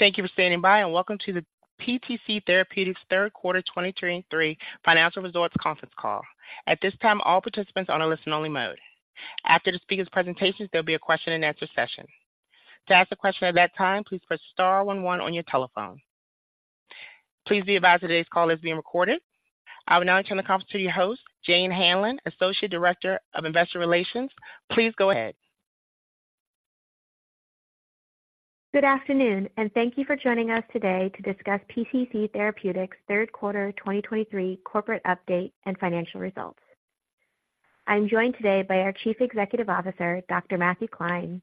Thank you for standing by, and welcome to the PTC Therapeutics third quarter 2023 financial results conference call. At this time, all participants are on a listen-only mode. After the speaker's presentations, there'll be a question-and-answer session. To ask a question at that time, please press star one one on your telephone. Please be advised today's call is being recorded. I will now turn the call to your host, Jane Hanlon, Associate Director of Investor Relations. Please go ahead. Good afternoon, and thank you for joining us today to discuss PTC Therapeutics' third quarter 2023 corporate update and financial results. I'm joined today by our Chief Executive Officer, Dr. Matthew Klein,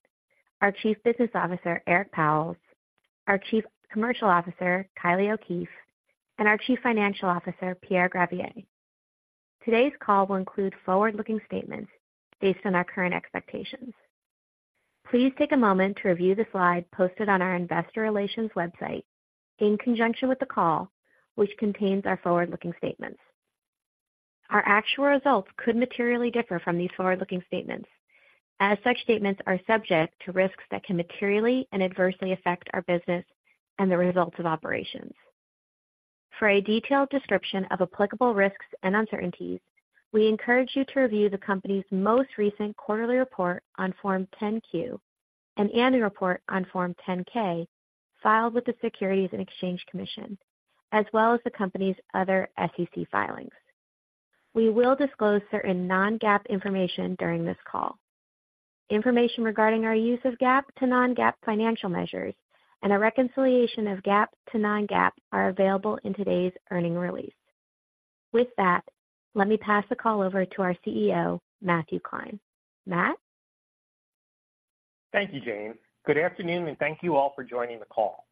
our Chief Business Officer, Eric Pauwels, our Chief Commercial Officer, Kylie O'Keefe, and our Chief Financial Officer, Pierre Gravier. Today's call will include forward-looking statements based on our current expectations. Please take a moment to review the slide posted on our investor relations website in conjunction with the call, which contains our forward-looking statements. Our actual results could materially differ from these forward-looking statements, as such statements are subject to risks that can materially and adversely affect our business and the results of operations. For a detailed description of applicable risks and uncertainties, we encourage you to review the company's most recent quarterly report on Form 10-Q and annual report on Form 10-K, filed with the Securities and Exchange Commission, as well as the company's other SEC filings. We will disclose certain non-GAAP information during this call. Information regarding our use of GAAP to non-GAAP financial measures and a reconciliation of GAAP to non-GAAP are available in today's earnings release. With that, let me pass the call over to our CEO, Matthew Klein. Matt? Thank you, Jane. Good afternoon, and thank you all for joining the call.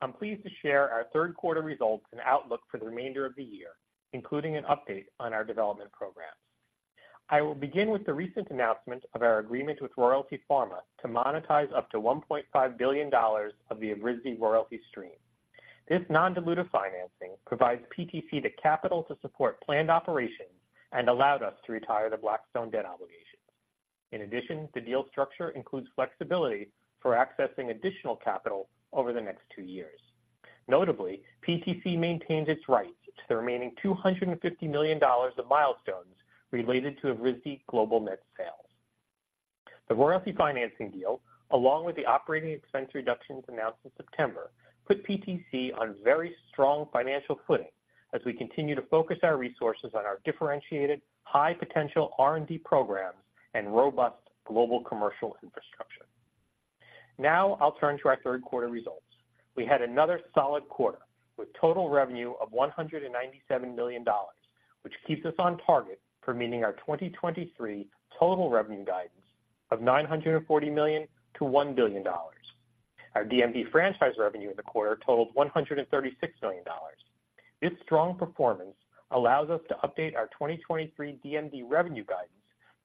I'm pleased to share our third quarter results and outlook for the remainder of the year, including an update on our development programs. I will begin with the recent announcement of our agreement with Royalty Pharma to monetize up to $1.5 billion of the Evrysdi royalty stream. This non-dilutive financing provides PTC the capital to support planned operations and allowed us to retire the Blackstone debt obligations. In addition, the deal structure includes flexibility for accessing additional capital over the next two years. Notably, PTC maintains its rights to the remaining $250 million of milestones related to the Evrysdi global net sales. The royalty financing deal, along with the operating expense reductions announced in September, put PTC on very strong financial footing as we continue to focus our resources on our differentiated, high-potential R&D programs and robust global commercial infrastructure. Now I'll turn to our third quarter results. We had another solid quarter, with total revenue of $197 million, which keeps us on target for meeting our 2023 total revenue guidance of $940 million-$1 billion. Our DMD franchise revenue in the quarter totaled $136 million. This strong performance allows us to update our 2023 DMD revenue guidance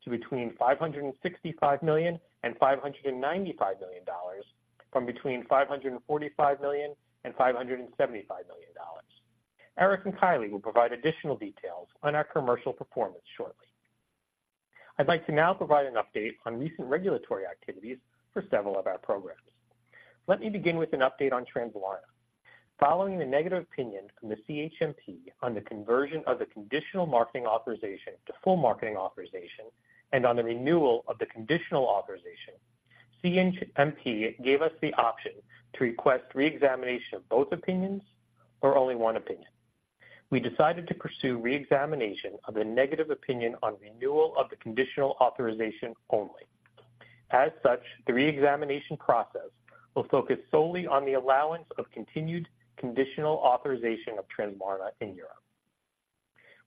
to between $565 million and $595 million, from between $545 million and $575 million. Eric and Kylie will provide additional details on our commercial performance shortly. I'd like to now provide an update on recent regulatory activities for several of our programs. Let me begin with an update on Translarna. Following the negative opinion from the CHMP on the conversion of the conditional marketing authorization to full marketing authorization and on the renewal of the conditional authorization, CHMP gave us the option to request reexamination of both opinions or only one opinion. \We decided to pursue reexamination of the negative opinion on renewal of the conditional authorization only. As such, the reexamination process will focus solely on the allowance of continued conditional authorization of Translarna in Europe.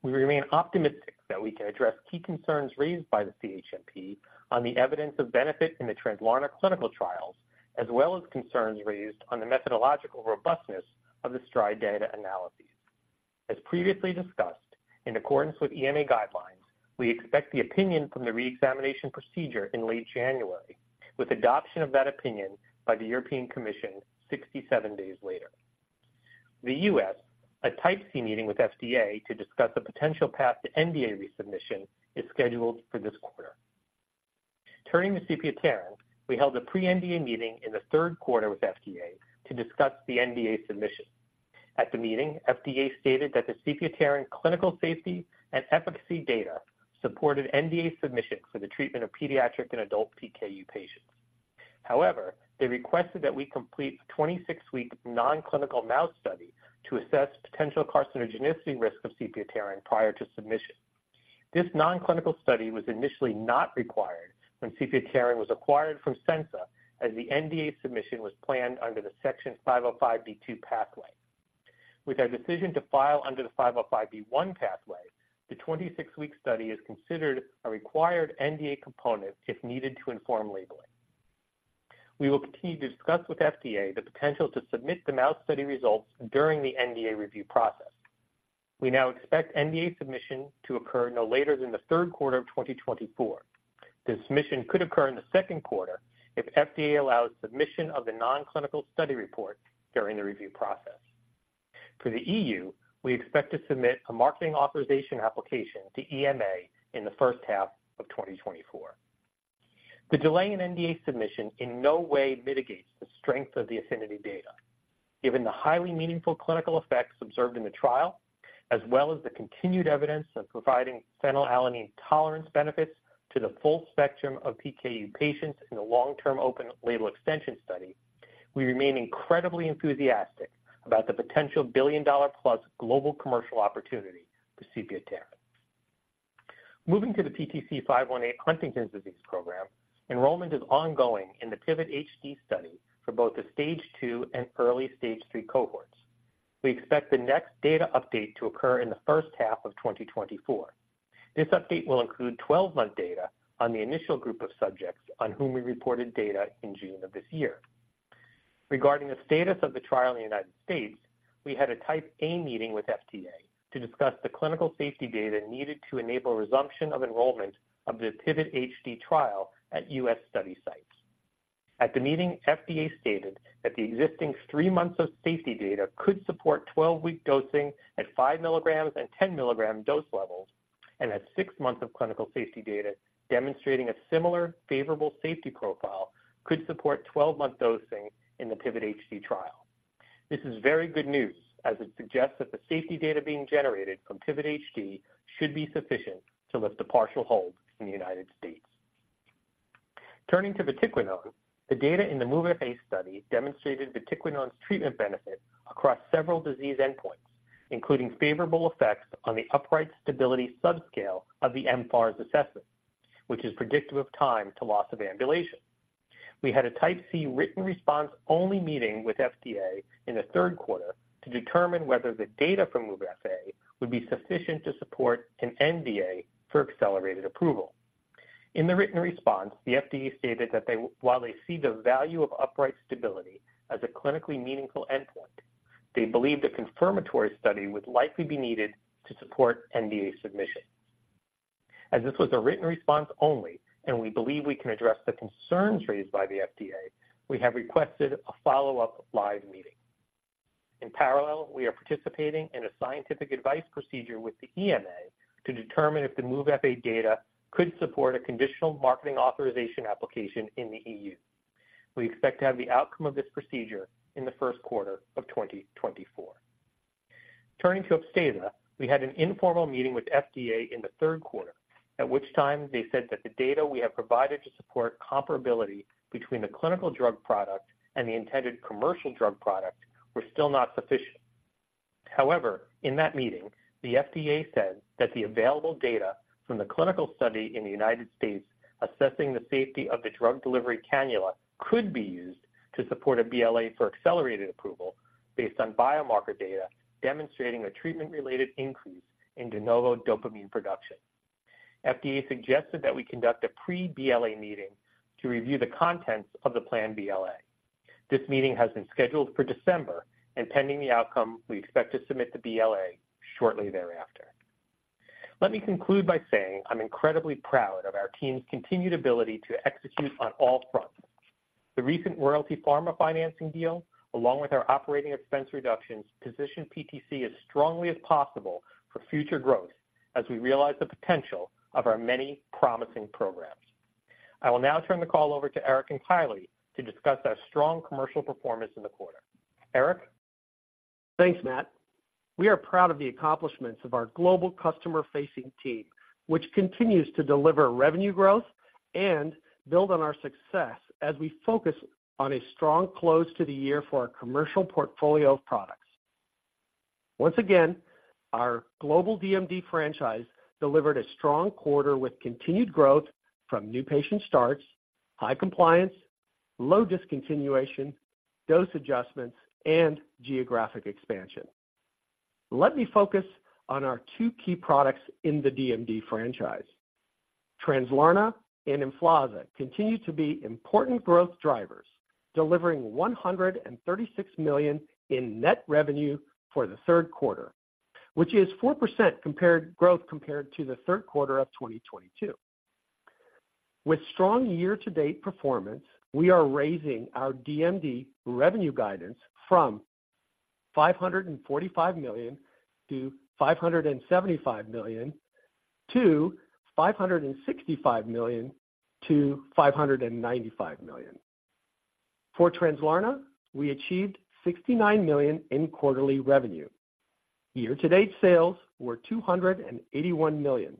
We remain optimistic that we can address key concerns raised by the CHMP on the evidence of benefit in the Translarna clinical trials, as well as concerns raised on the methodological robustness of the STRIDE data analysis. As previously discussed, in accordance with EMA guidelines, we expect the opinion from the reexamination procedure in late January, with adoption of that opinion by the European Commission 67 days later. The US, a Type C meeting with FDA to discuss a potential path to NDA resubmission, is scheduled for this quarter. Turning to sepiapterin, we held a pre-NDA meeting in the third quarter with FDA to discuss the NDA submission. At the meeting, FDA stated that the sepiapterin clinical safety and efficacy data supported NDA submission for the treatment of pediatric and adult PKU patients. However, they requested that we complete a 26-week non-clinical mouse study to assess potential carcinogenicity risk of sepiapterin prior to submission. This non-clinical study was initially not required when sepiapterin was acquired from Censa, as the NDA submission was planned under the 505(b)(2) pathway. With our decision to file under the 505(b)(1) pathway, the 26-week study is considered a required NDA component if needed to inform labeling. We will continue to discuss with FDA the potential to submit the mouse study results during the NDA review process. We now expect NDA submission to occur no later than the third quarter of 2024. The submission could occur in the second quarter if FDA allows submission of the non-clinical study report during the review process. For the EU, we expect to submit a marketing authorization application to EMA in the first half of 2024. The delay in NDA submission in no way mitigates the strength of the APHINITY data. Given the highly meaningful clinical effects observed in the trial, as well as the continued evidence of providing phenylalanine tolerance benefits to the full spectrum of PKU patients in the long-term open label extension study, we remain incredibly enthusiastic about the potential billion-dollar-plus global commercial opportunity for sepiapterin. Moving to the PTC518 Huntington's disease program, enrollment is ongoing in the PIVOT-HD study for both the stage two and early stage three cohorts. We expect the next data update to occur in the first half of 2024. This update will include 12-month data on the initial group of subjects on whom we reported data in June of this year. Regarding the status of the trial in the United States, we had a Type A meeting with FDA to discuss the clinical safety data needed to enable resumption of enrollment of the PIVOT-HD trial at U.S. study sites. At the meeting, FDA stated that the existing three months of safety data could support 12-week dosing at 5 mg and 10 mg dose levels, and that six months of clinical safety data demonstrating a similar favorable safety profile could support 12-month dosing in the PIVOT-HD trial. This is very good news, as it suggests that the safety data being generated from PIVOT-HD should be sufficient to lift the partial hold in the United States. Turning to vatiquinone, the data in the MOVE-FA study demonstrated vatiquinone's treatment benefit across several disease endpoints, including favorable effects on the upright stability subscale of the mFARS assessment, which is predictive of time to loss of ambulation. We had a type C written response-only meeting with FDA in the third quarter to determine whether the data from MOVE-FA would be sufficient to support an NDA for accelerated approval. In the written response, the FDA stated that they, while they see the value of upright stability as a clinically meaningful endpoint, they believe the confirmatory study would likely be needed to support NDA submission. As this was a written response only, and we believe we can address the concerns raised by the FDA, we have requested a follow-up live meeting. In parallel, we are participating in a scientific advice procedure with the EMA to determine if the MOVE-FA data could support a conditional marketing authorization application in the EU. We expect to have the outcome of this procedure in the first quarter of 2024. Turning to Upstaza, we had an informal meeting with the FDA in the third quarter, at which time they said that the data we have provided to support comparability between the clinical drug product and the intended commercial drug product were still not sufficient. However, in that meeting, the FDA said that the available data from the clinical study in the United States assessing the safety of the drug delivery cannula could be used to support a BLA for accelerated approval based on biomarker data demonstrating a treatment-related increase in de novo dopamine production. FDA suggested that we conduct a pre-BLA meeting to review the contents of the planned BLA. This meeting has been scheduled for December, and pending the outcome, we expect to submit the BLA shortly thereafter. Let me conclude by saying I'm incredibly proud of our team's continued ability to execute on all fronts. The recent Royalty Pharma financing deal, along with our operating expense reductions, position PTC as strongly as possible for future growth as we realize the potential of our many promising programs. I will now turn the call over to Eric and Kylie to discuss our strong commercial performance in the quarter. Eric? Thanks, Matt. We are proud of the accomplishments of our global customer-facing team, which continues to deliver revenue growth and build on our success as we focus on a strong close to the year for our commercial portfolio of products. Once again, our global DMD franchise delivered a strong quarter with continued growth from new patient starts, high compliance, low discontinuation, dose adjustments, and geographic expansion. Let me focus on our two key products in the DMD franchise. Translarna and Emflaza continue to be important growth drivers, delivering $136 million in net revenue for the third quarter, which is 4% growth compared to the third quarter of 2022. With strong year-to-date performance, we are raising our DMD revenue guidance from $545 million-$575 million to $565 million-$595 million. For Translarna, we achieved $69 million in quarterly revenue. Year-to-date sales were $281 million.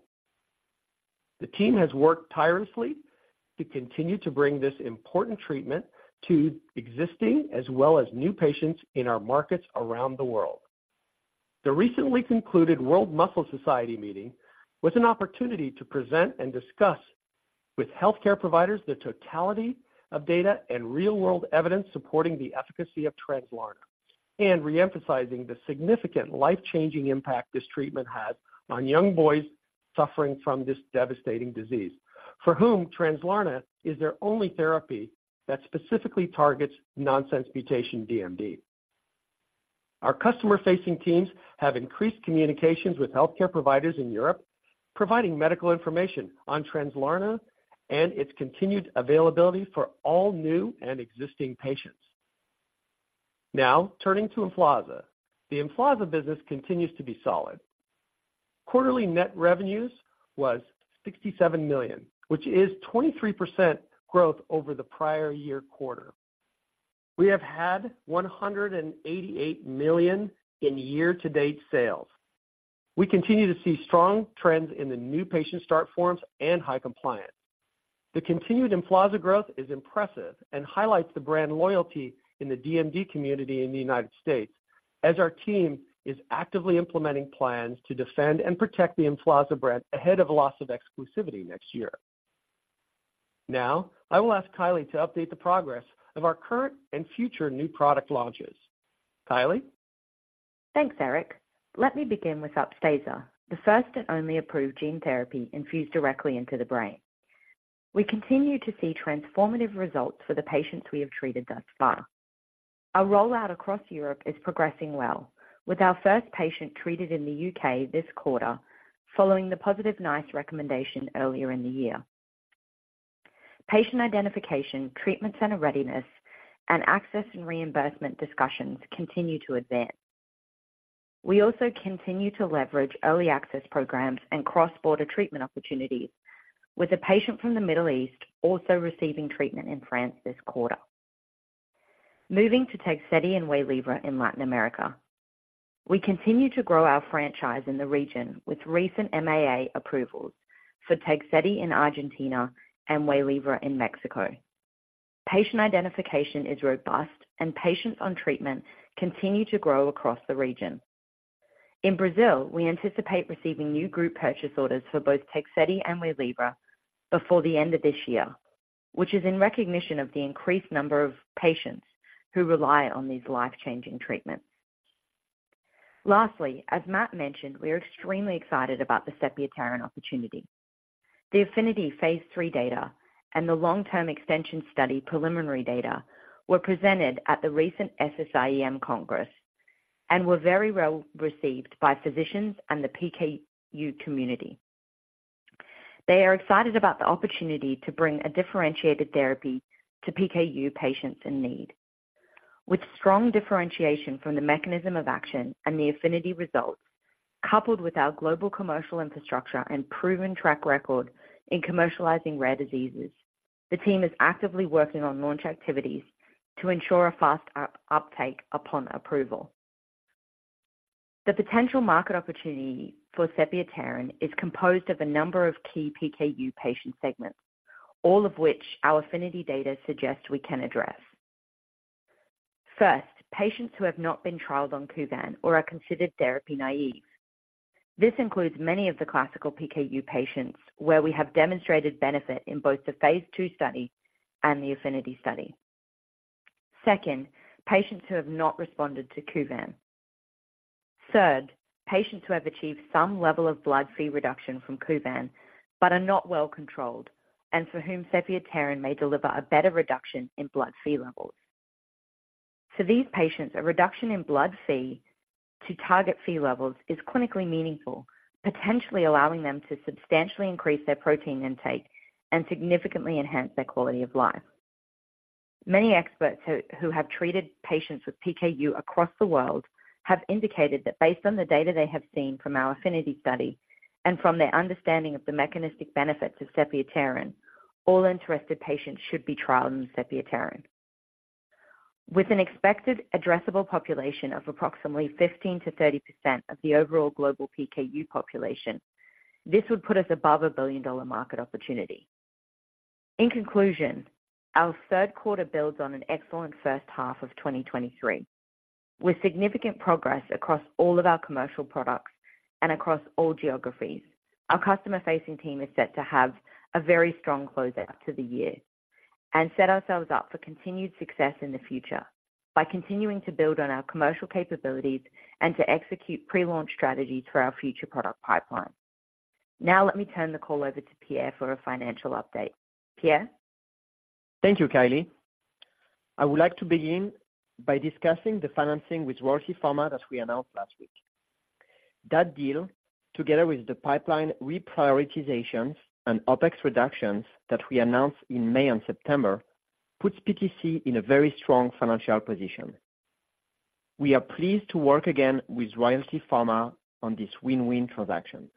The team has worked tirelessly to continue to bring this important treatment to existing as well as new patients in our markets around the world. The recently concluded World Muscle Society meeting was an opportunity to present and discuss with healthcare providers the totality of data and real-world evidence supporting the efficacy of Translarna, and reemphasizing the significant life-changing impact this treatment has on young boys suffering from this devastating disease, for whom Translarna is their only therapy that specifically targets nonsense mutation DMD. Our customer-facing teams have increased communications with healthcare providers in Europe, providing medical information on Translarna and its continued availability for all new and existing patients. Now, turning to Emflaza. The Emflaza business continues to be solid. Quarterly net revenues was $67 million, which is 23% growth over the prior year quarter. We have had $188 million in year-to-date sales. We continue to see strong trends in the new patient start forms and high compliance. The continued Emflaza growth is impressive and highlights the brand loyalty in the DMD community in the United States, as our team is actively implementing plans to defend and protect the Emflaza brand ahead of loss of exclusivity next year. Now, I will ask Kylie to update the progress of our current and future new product launches. Kylie? Thanks, Eric. Let me begin with Upstaza, the first and only approved gene therapy infused directly into the brain. We continue to see transformative results for the patients we have treated thus far. Our rollout across Europe is progressing well, with our first patient treated in the UK this quarter, following the positive NICE recommendation earlier in the year. Patient identification, treatment center readiness, and access and reimbursement discussions continue to advance. We also continue to leverage early access programs and cross-border treatment opportunities, with a patient from the Middle East also receiving treatment in France this quarter. Moving to Tegsedi and Waylivra in Latin America, we continue to grow our franchise in the region with recent MAA approvals for Tegsedi in Argentina and Waylivra in Mexico. Patient identification is robust and patients on treatment continue to grow across the region. In Brazil, we anticipate receiving new group purchase orders for both Tegsedi and Waylivra before the end of this year, which is in recognition of the increased number of patients who rely on these life-changing treatments. Lastly, as Matt mentioned, we are extremely excited about the sepiapterin opportunity. The APHINITY phase III data and the long-term extension study preliminary data were presented at the recent SSIEM Congress and were very well received by physicians and the PKU community. They are excited about the opportunity to bring a differentiated therapy to PKU patients in need. With strong differentiation from the mechanism of action and the affinity results, coupled with our global commercial infrastructure and proven track record in commercializing rare diseases, the team is actively working on launch activities to ensure a fast uptake upon approval. The potential market opportunity for sepiapterin is composed of a number of key PKU patient segments, all of which our APHINITY data suggests we can address. First, patients who have not been trialed on Kuvan or are considered therapy naive. This includes many of the classical PKU patients, where we have demonstrated benefit in both the phase II study and the APHINITY study. Second, patients who have not responded to Kuvan. Third, patients who have achieved some level of blood Phe reduction from Kuvan, but are not well controlled, and for whom sepiapterin may deliver a better reduction in blood Phe levels. To these patients, a reduction in blood Phe to target Phe levels is clinically meaningful, potentially allowing them to substantially increase their protein intake and significantly enhance their quality of life. Many experts who have treated patients with PKU across the world have indicated that based on the data they have seen from our APHINITY study, and from their understanding of the mechanistic benefits of sepiapterin, all interested patients should be trialed in sepiapterin. With an expected addressable population of approximately 15%-30% of the overall global PKU population, this would put us above a billion-dollar market opportunity. In conclusion, our third quarter builds on an excellent first half of 2023, with significant progress across all of our commercial products and across all geographies. Our customer-facing team is set to have a very strong closeout to the year, and set ourselves up for continued success in the future by continuing to build on our commercial capabilities and to execute pre-launch strategies for our future product pipeline. Now, let me turn the call over to Pierre for a financial update. Pierre? Thank you, Kylie. I would like to begin by discussing the financing with Royalty Pharma that we announced last week. That deal, together with the pipeline reprioritizations and OpEx reductions that we announced in May and September, puts PTC in a very strong financial position. We are pleased to work again with Royalty Pharma on this win-win transaction.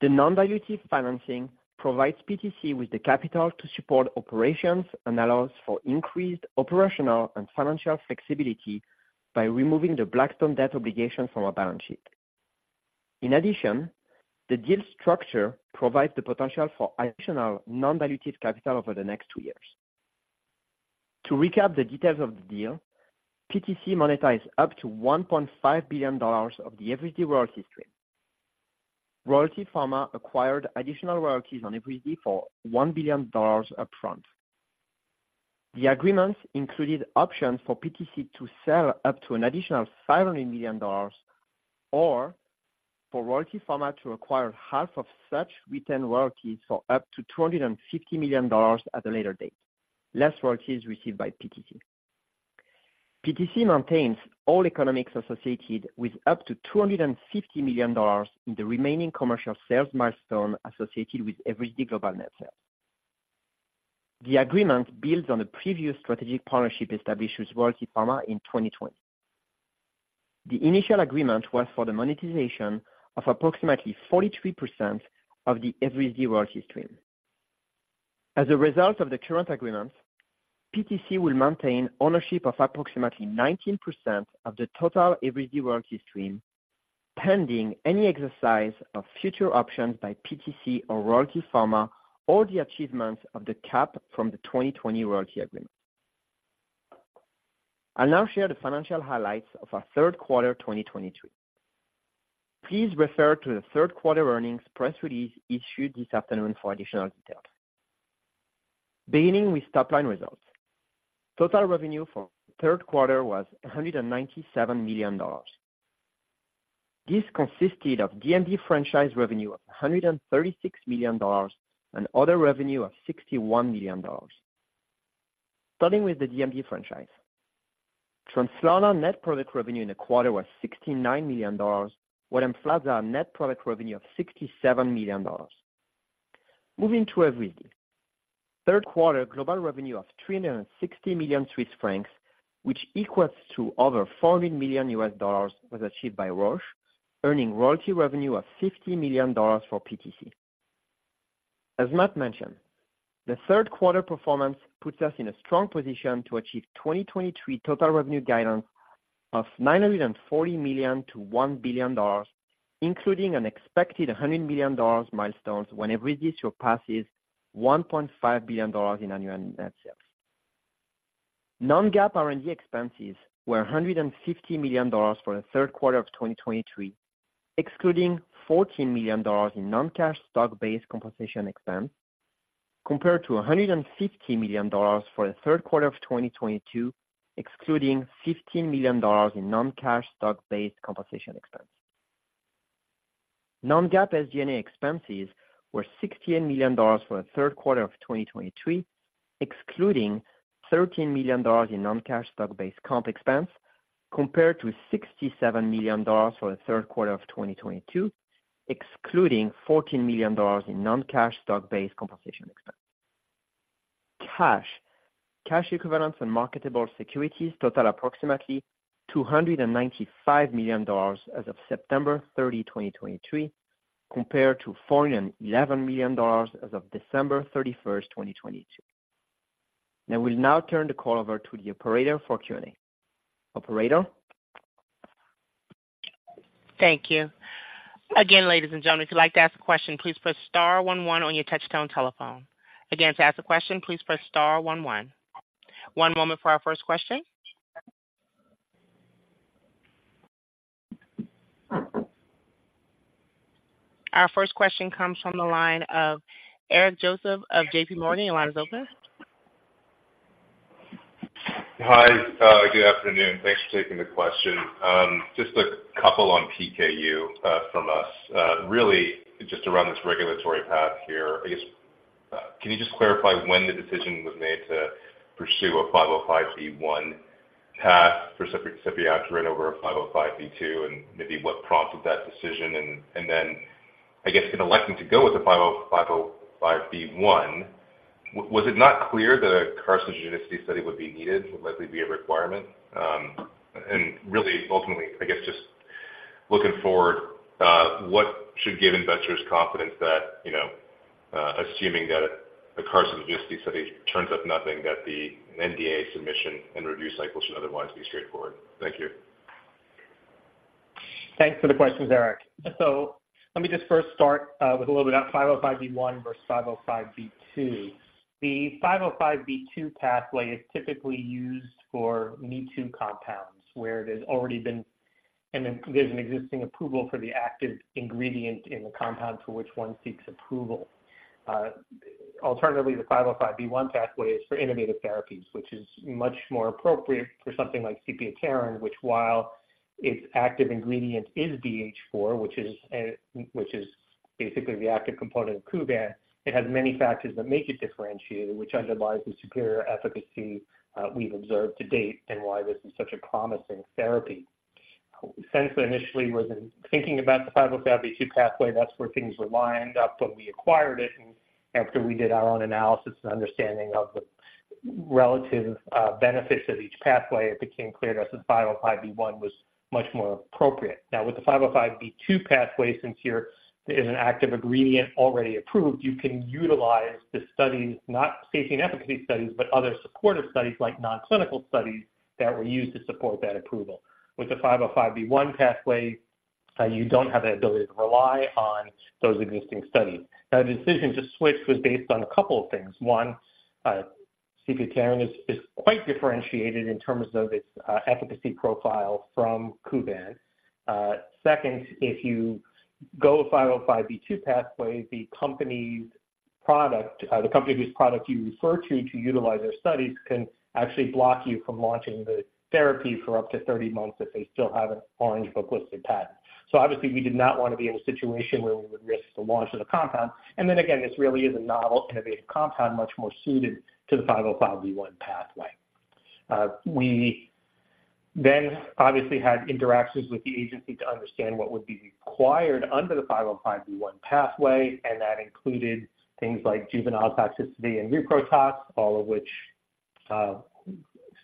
The non-dilutive financing provides PTC with the capital to support operations and allows for increased operational and financial flexibility by removing the Blackstone debt obligation from our balance sheet. In addition, the deal structure provides the potential for additional non-dilutive capital over the next two years. To recap the details of the deal, PTC monetized up to $1.5 billion of the Evrysdi royalty stream. Royalty Pharma acquired additional royalties on Evrysdi for $1 billion upfront. The agreements included options for PTC to sell up to an additional $7 million, or for Royalty Pharma to acquire half of such retained royalties for up to $25 million at a later date, less royalties received by PTC. PTC maintains all economics associated with up to $250 million in the remaining commercial sales milestone associated with Evrysdi global net sales. The agreement builds on a previous strategic partnership established with Royalty Pharma in 2020. The initial agreement was for the monetization of approximately 43% of the Evrysdi royalty stream. As a result of the current agreement, PTC will maintain ownership of approximately 19% of the total Evrysdi royalty stream, pending any exercise of future options by PTC or Royalty Pharma or the achievements of the cap from the 2020 royalty agreement. I'll now share the financial highlights of our third quarter 2023. Please refer to the third quarter earnings press release issued this afternoon for additional details. Beginning with top line results. Total revenue for the third quarter was $197 million. This consisted of DMD franchise revenue of $136 million, and other revenue of $61 million. Starting with the DMD franchise. Translarna net product revenue in the quarter was $69 million, while Emflaza net product revenue of $67 million. Moving to Evrysdi. Third quarter global revenue of 360 million Swiss francs, which equates to over $400 million, was achieved by Roche, earning royalty revenue of $50 million for PTC. As Matt mentioned, the third quarter performance puts us in a strong position to achieve 2023 total revenue guidance of $940 million-$1 billion, including an expected $100 million milestones when Evrysdi surpasses $1.5 billion in annual net sales. Non-GAAP R&D expenses were $150 million for the third quarter of 2023, excluding $14 million in non-cash stock-based compensation expense, compared to $150 million for the third quarter of 2022, excluding $15 million in non-cash stock-based compensation expense. Non-GAAP SG&A expenses were $16 million for the third quarter of 2023, excluding $13 million in non-cash stock-based comp expense, compared to $67 million for the third quarter of 2022, excluding $14 million in non-cash stock-based compensation expense. Cash, cash equivalents and marketable securities total approximately $295 million as of September 30, 2023, compared to $411 million as of December 31, 2022. I will now turn the call over to the operator for Q&A. Operator? Thank you. Again, ladies and gentlemen, if you'd like to ask a question, please press star one one on your touchtone telephone. Again, to ask a question, please press star one one. One moment for our first question. Our first question comes from the line of Eric Joseph of J.P. Morgan. Your line is open. Hi, good afternoon. Thanks for taking the question. Just a couple on PKU, from us. Really just around this regulatory path here, I guess, can you just clarify when the decision was made to pursue a 505(b)(1) path for sepiapterin over 505(b)(2), and maybe what prompted that decision? And, and then I guess, in electing to go with the 505(b)(1), was it not clear that a carcinogenicity study would be needed, would likely be a requirement? And really, ultimately, I guess, just looking forward, what should give investors confidence that, you know, assuming that a carcinogenicity study turns up nothing, that the NDA submission and review cycle should otherwise be straightforward? Thank you. Thanks for the questions, Eric. So let me just first start with a little bit about 505(b)(1) versus 505(b)(2). The 505(b)(2) pathway is typically used for me-too compounds, where it has already been, and then there's an existing approval for the active ingredient in the compound for which one seeks approval. Alternatively, the 505(b)(1) pathway is for innovative therapies, which is much more appropriate for something like sepiapterin, which while its active ingredient is BH4, which is, which is basically the active component of Kuvan, it has many factors that make it differentiated, which underlies the superior efficacy, we've observed to date, and why this is such a promising therapy. Since we initially was in thinking about the 505(b)(2) pathway, that's where things were lined up when we acquired it, and after we did our own analysis and understanding of the relative benefits of each pathway, it became clear to us that 505(b)(1) was much more appropriate. Now, with the 505(b)(2) pathway, since here there is an active ingredient already approved, you can utilize the studies, not safety and efficacy studies, but other supportive studies, like non-clinical studies, that were used to support that approval. With the 505(b)(1) pathway, you don't have the ability to rely on those existing studies. Now, the decision to switch was based on a couple of things. One, sepiapterin is, is quite differentiated in terms of its efficacy profile from Kuvan. Second, if you go a 505(b)(2) pathway, the company's product, the company whose product you refer to, to utilize their studies, can actually block you from launching the therapy for up to 30 months if they still have an Orange Book-listed patent. So obviously, we did not want to be in a situation where we would risk the launch of the compound. And then again, this really is a novel, innovative compound, much more suited to the 505(b)(1) pathway. Then obviously had interactions with the agency to understand what would be required under the 505(b)(1) pathway, and that included things like juvenile toxicity and repro tox, all of which,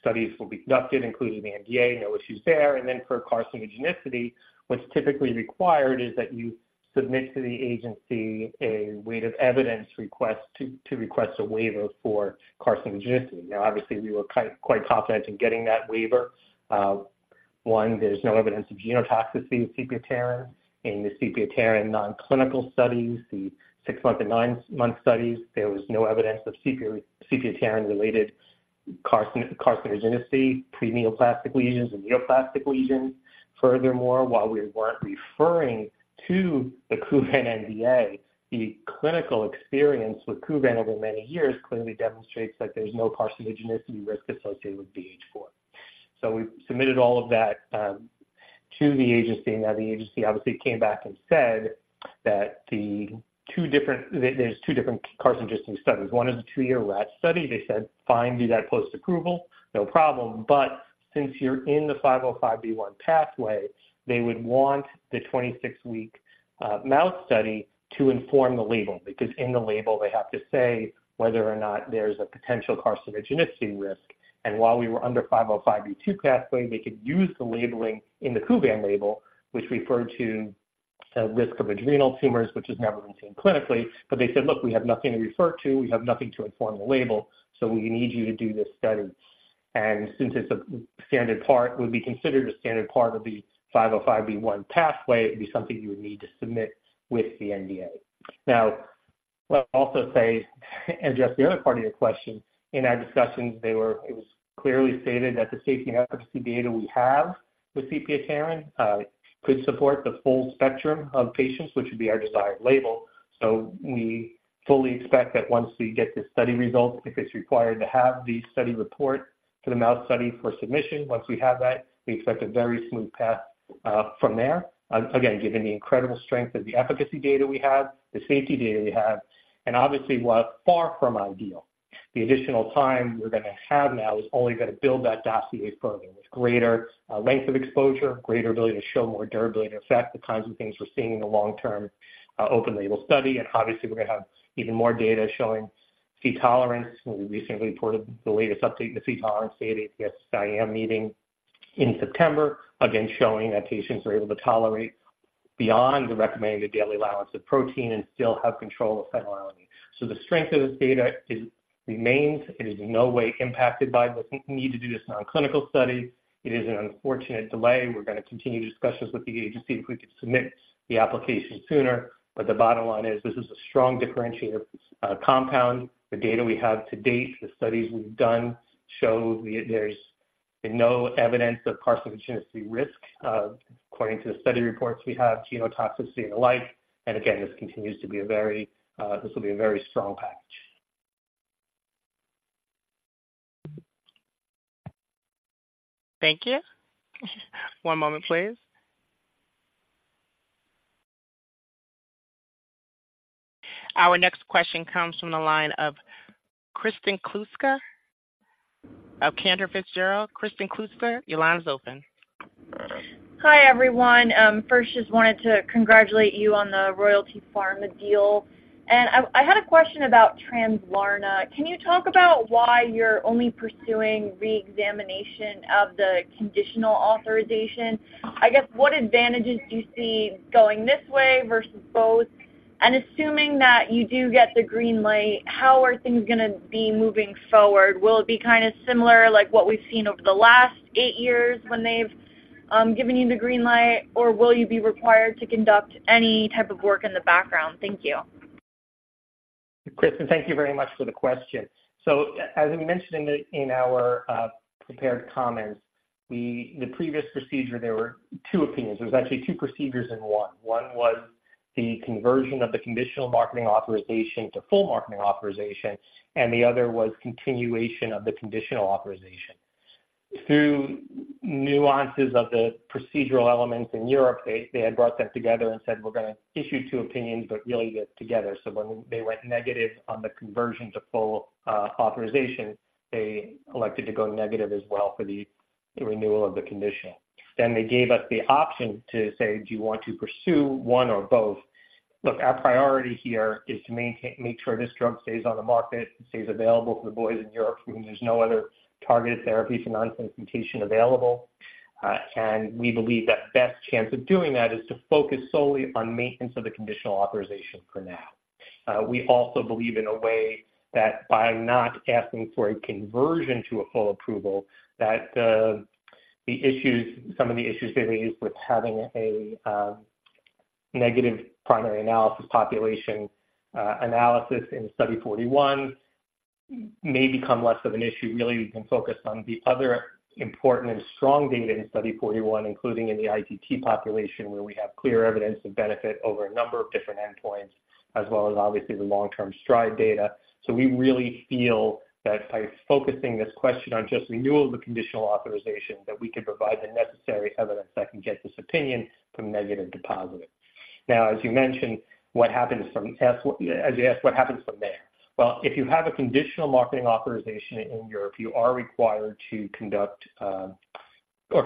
studies will be conducted, including the NDA, no issues there. For carcinogenicity, what's typically required is that you submit to the agency a weight of evidence request to request a waiver for carcinogenicity. Now, obviously, we were quite confident in getting that waiver. One, there's no evidence of genotoxicity of sepiapterin, and the sepiapterin non-clinical studies, the six-month and nine-month studies, there was no evidence of sepiapterin-related carcinogenicity, pre-neoplastic lesions, and neoplastic lesions. Furthermore, while we weren't referring to the Kuvan NDA, the clinical experience with Kuvan over many years clearly demonstrates that there's no carcinogenicity risk associated with BH4. So we submitted all of that to the agency. Now, the agency obviously came back and said that there are two different carcinogenicity studies. One is a two-year rat study. They said, "Fine, do that post-approval, no problem, but since you're in the 505(b)(1) pathway, they would want the 26-week mouse study to inform the label, because in the label, they have to say whether or not there's a potential carcinogenicity risk." And while we were under 505(b)(2) pathway, we could use the labeling in the Kuvan label, which referred to a risk of adrenal tumors, which has never been seen clinically. But they said, "Look, we have nothing to refer to. We have nothing to inform the label, so we need you to do this study." And since it's a standard part, would be considered a standard part of the 505(b)(1) pathway, it'd be something you would need to submit with the NDA. Now, I'll also say, and just the other part of your question, in our discussions, it was clearly stated that the safety and efficacy data we have with sepiapterin could support the full spectrum of patients, which would be our desired label. So we fully expect that once we get the study results, if it's required to have the study report for the mouse study for submission, once we have that, we expect a very smooth path from there. Again, given the incredible strength of the efficacy data we have, the safety data we have, and obviously, while far from ideal, the additional time we're gonna have now is only gonna build that dossier further with greater length of exposure, greater ability to show more durability effect, the kinds of things we're seeing in the long term open label study. And obviously, we're gonna have even more data showing Phe tolerance. We recently reported the latest update in the Phe tolerance data at the SSIEM meeting in September, again, showing that patients are able to tolerate beyond the recommended daily allowance of protein and still have control of phenylketonuria. So the strength of this data is, remains. It is in no way impacted by the need to do this non-clinical study. It is an unfortunate delay. We're gonna continue discussions with the agency if we could submit the application sooner. But the bottom line is this is a strong differentiator, compound. The data we have to date, the studies we've done, show there's no evidence of carcinogenicity risk, according to the study reports we have, genotoxicity and the like. And again, this continues to be a very, this will be a very strong package. Thank you. One moment, please. Our next question comes from the line of Kristen Kluska of Cantor Fitzgerald. Kristen Kluska, your line is open. Hi, everyone. First, just wanted to congratulate you on the Royalty Pharma deal, and I had a question about Translarna. Can you talk about why you're only pursuing reexamination of the conditional authorization? I guess, what advantages do you see going this way versus both? And assuming that you do get the green light, how are things gonna be moving forward? Will it be kind of similar, like what we've seen over the last eight years when they've given you the green light, or will you be required to conduct any type of work in the background? Thank you. Kristen, thank you very much for the question. So as we mentioned in the, in our prepared comments, we the previous procedure, there were two opinions. There was actually two procedures in one. One was the conversion of the conditional marketing authorization to full marketing authorization, and the other was continuation of the conditional authorization. Through nuances of the procedural elements in Europe, they had brought them together and said, "We're gonna issue two opinions, but really get together." So when they went negative on the conversion to full authorization, they elected to go negative as well for the renewal of the conditional. Then they gave us the option to say: Do you want to pursue one or both? Look, our priority here is to make sure this drug stays on the market, stays available for the boys in Europe, when there's no other targeted therapies for nonsense mutation available. And we believe that best chance of doing that is to focus solely on maintenance of the conditional authorization for now. We also believe in a way that by not asking for a conversion to a full approval, that the issues, some of the issues they raised with having a negative primary analysis population analysis in Study 41, may become less of an issue, really, and focus on the other important and strong data in Study 41, including in the ITT population, where we have clear evidence of benefit over a number of different endpoints, as well as obviously the long-term STRIDE data. So we really feel that by focusing this question on just renewal of the conditional authorization, that we can provide evidence that can get this opinion from negative to positive. Now, as you mentioned, what happens from there? As you asked, what happens from there? Well, if you have a conditional marketing authorization in Europe, you are required to conduct or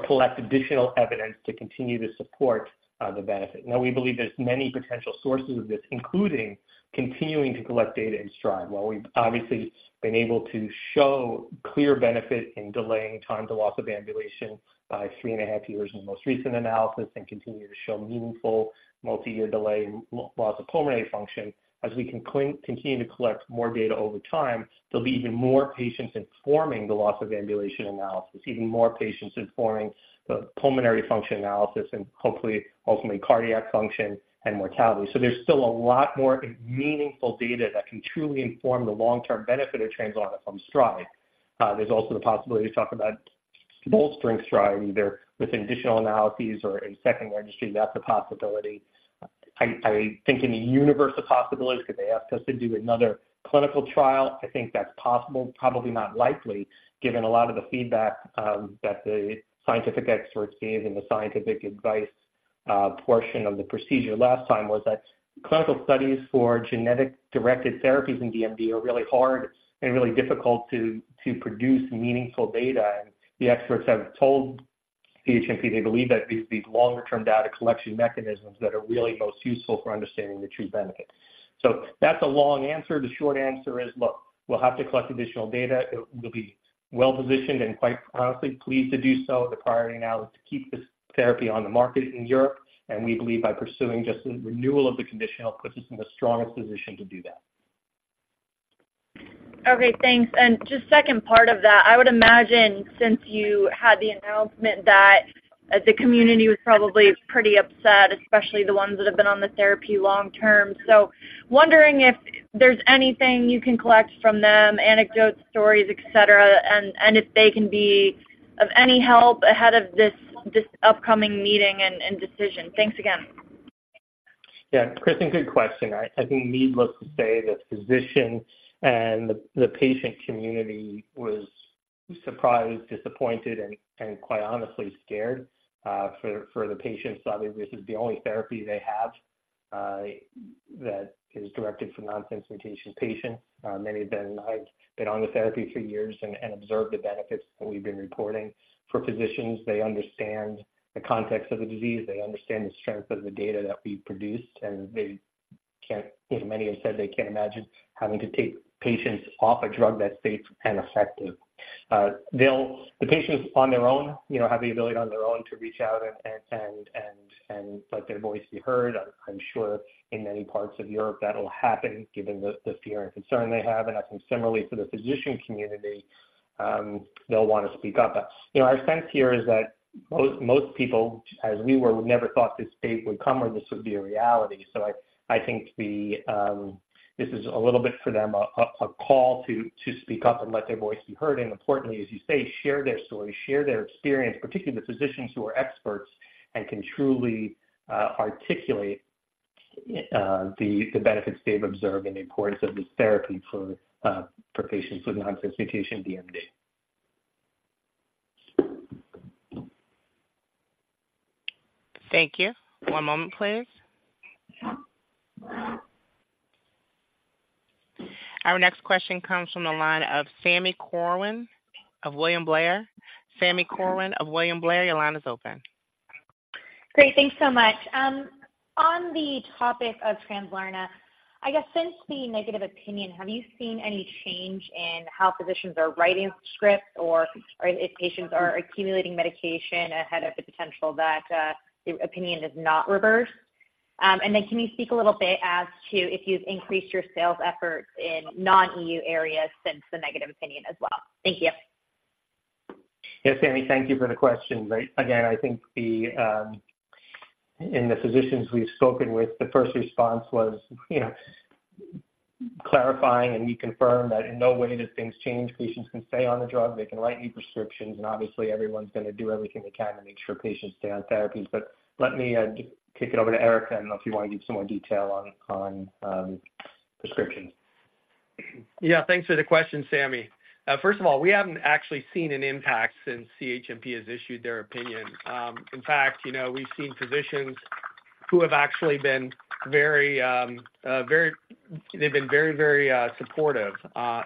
collect additional evidence to continue to support the benefit. Now, we believe there's many potential sources of this, including continuing to collect data in STRIDE. While we've obviously been able to show clear benefit in delaying time to loss of ambulation by 3.5 years in the most recent analysis, and continue to show meaningful multi-year delay, loss of pulmonary function. As we continue to collect more data over time, there'll be even more patients informing the loss of ambulation analysis, even more patients informing the pulmonary function analysis and hopefully, ultimately cardiac function and mortality. So there's still a lot more meaningful data that can truly inform the long-term benefit of Translarna from STRIDE. There's also the possibility to talk about bolstering STRIDE, either with additional analyses or a second registry. That's a possibility. I think in the universe of possibilities, could they ask us to do another clinical trial? I think that's possible. Probably not likely, given a lot of the feedback that the scientific experts gave in the scientific advice portion of the procedure. Last time was that clinical studies for genetic-directed therapies in DMD are really hard and really difficult to produce meaningful data. And the experts have told CHMP they believe that these longer-term data collection mechanisms that are really most useful for understanding the true benefit. So that's a long answer. The short answer is: Look, we'll have to collect additional data. It will be well positioned and, quite honestly, pleased to do so. The priority now is to keep this therapy on the market in Europe, and we believe by pursuing just the renewal of the conditional puts us in the strongest position to do that. Okay, thanks. And just second part of that, I would imagine since you had the announcement that the community was probably pretty upset, especially the ones that have been on the therapy long term. So wondering if there's anything you can collect from them, anecdote, stories, et cetera, and, and if they can be of any help ahead of this, this upcoming meeting and, and decision. Thanks again. Yeah, Kristen, good question. I think needless to say that physicians and the patient community was surprised, disappointed, and quite honestly, scared. For the patients, obviously, this is the only therapy they have that is directed for nonsense mutation patients. Many of them have been on the therapy for years and observed the benefits that we've been reporting. For physicians, they understand the context of the disease, they understand the strength of the data that we've produced, and they can't, as many have said, imagine having to take patients off a drug that's safe and effective. They'll... The patients on their own, you know, have the ability on their own to reach out and let their voice be heard. I'm sure in many parts of Europe that'll happen, given the fear and concern they have. And I think similarly for the physician community, they'll want to speak up. You know, our sense here is that most people, as we were, never thought this day would come, or this would be a reality. So I think this is a little bit for them, a call to speak up and let their voice be heard, and importantly, as you say, share their story, share their experience, particularly the physicians who are experts and can truly articulate the benefits they've observed and the importance of this therapy for patients with nonsense mutation DMD. Thank you. One moment, please. Our next question comes from the line of Sami Corwin of William Blair. Sami Corwin of William Blair, your line is open. Great. Thanks so much. On the topic of Translarna, I guess since the negative opinion, have you seen any change in how physicians are writing scripts, or if patients are accumulating medication ahead of the potential that the opinion is not reversed? And then can you speak a little bit as to if you've increased your sales efforts in non-EU areas since the negative opinion as well? Thank you. Yes, Sami, thank you for the question. Again, I think the in the physicians we've spoken with, the first response was, you know, clarifying, and we confirmed that in no way did things change. Patients can stay on the drug, they can write new prescriptions, and obviously everyone's going to do everything they can to make sure patients stay on therapies. But let me just kick it over to Eric. I don't know if you want to give some more detail on, on prescriptions. Yeah, thanks for the question, Sammy. First of all, we haven't actually seen an impact since CHMP has issued their opinion. In fact, you know, we've seen physicians who have actually been very, very, they've been very, very supportive.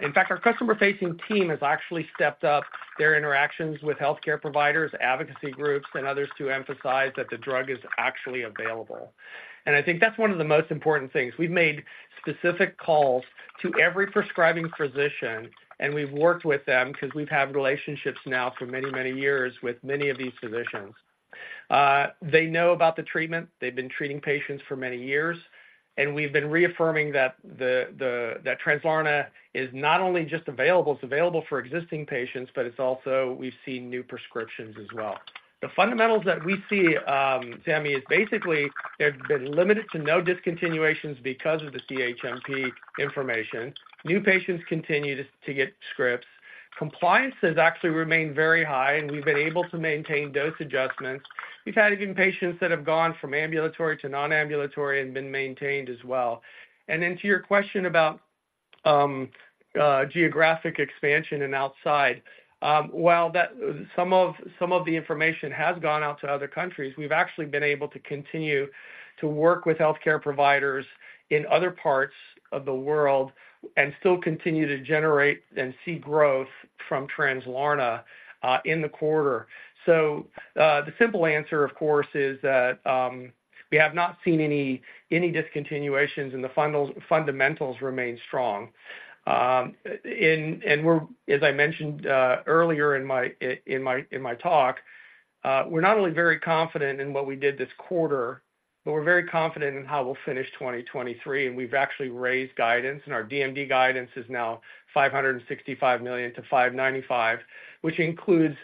In fact, our customer-facing team has actually stepped up their interactions with healthcare providers, advocacy groups, and others to emphasize that the drug is actually available. And I think that's one of the most important things. We've made specific calls to every prescribing physician, and we've worked with them because we've had relationships now for many, many years with many of these physicians. They know about the treatment. They've been treating patients for many years, and we've been reaffirming that the, the, that Translarna is not only just available, it's available for existing patients, but it's also we've seen new prescriptions as well. The fundamentals that we see, Sami, is basically there's been limited to no discontinuations because of the CHMP information. New patients continue to get scripts. Compliance has actually remained very high, and we've been able to maintain dose adjustments. We've had even patients that have gone from ambulatory to non-ambulatory and been maintained as well. And then to your question about... geographic expansion and outside. While that some of the information has gone out to other countries, we've actually been able to continue to work with healthcare providers in other parts of the world and still continue to generate and see growth from Translarna in the quarter. So, the simple answer, of course, is that we have not seen any discontinuations, and the fundamentals remain strong. And we're as I mentioned earlier in my talk, we're not only very confident in what we did this quarter, but we're very confident in how we'll finish 2023. And we've actually raised guidance, and our DMD guidance is now $565 million-$595 million, which includes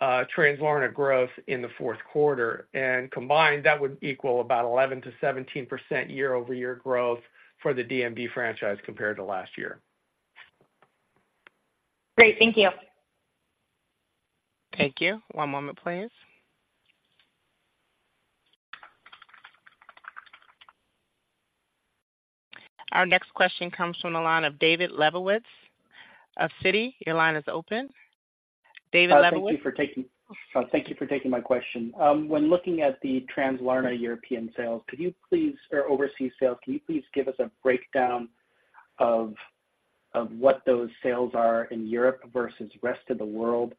Translarna growth in the fourth quarter. Combined, that would equal about 11%-17% year-over-year growth for the DMD franchise compared to last year. Great. Thank you. Thank you. One moment, please. Our next question comes from the line of David Lebowitz of Citi. Your line is open. David Lebowitz? Thank you for taking my question. When looking at the Translarna European sales or overseas sales, can you please give us a breakdown of what those sales are in Europe versus rest of the world?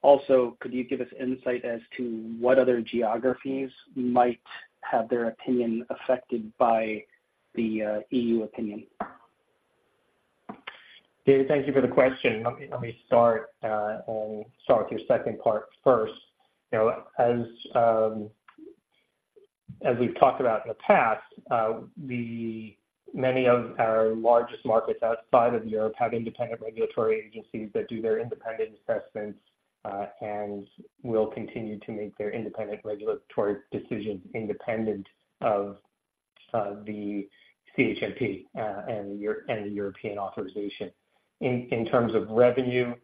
Also, could you give us insight as to what other geographies might have their opinion affected by the EU opinion? David, thank you for the question. Let me start with your second part first. You know, as we've talked about in the past, many of our largest markets outside of Europe have independent regulatory agencies that do their independent assessments, and will continue to make their independent regulatory decisions, independent of the CHMP and the European authorization. In terms of revenue,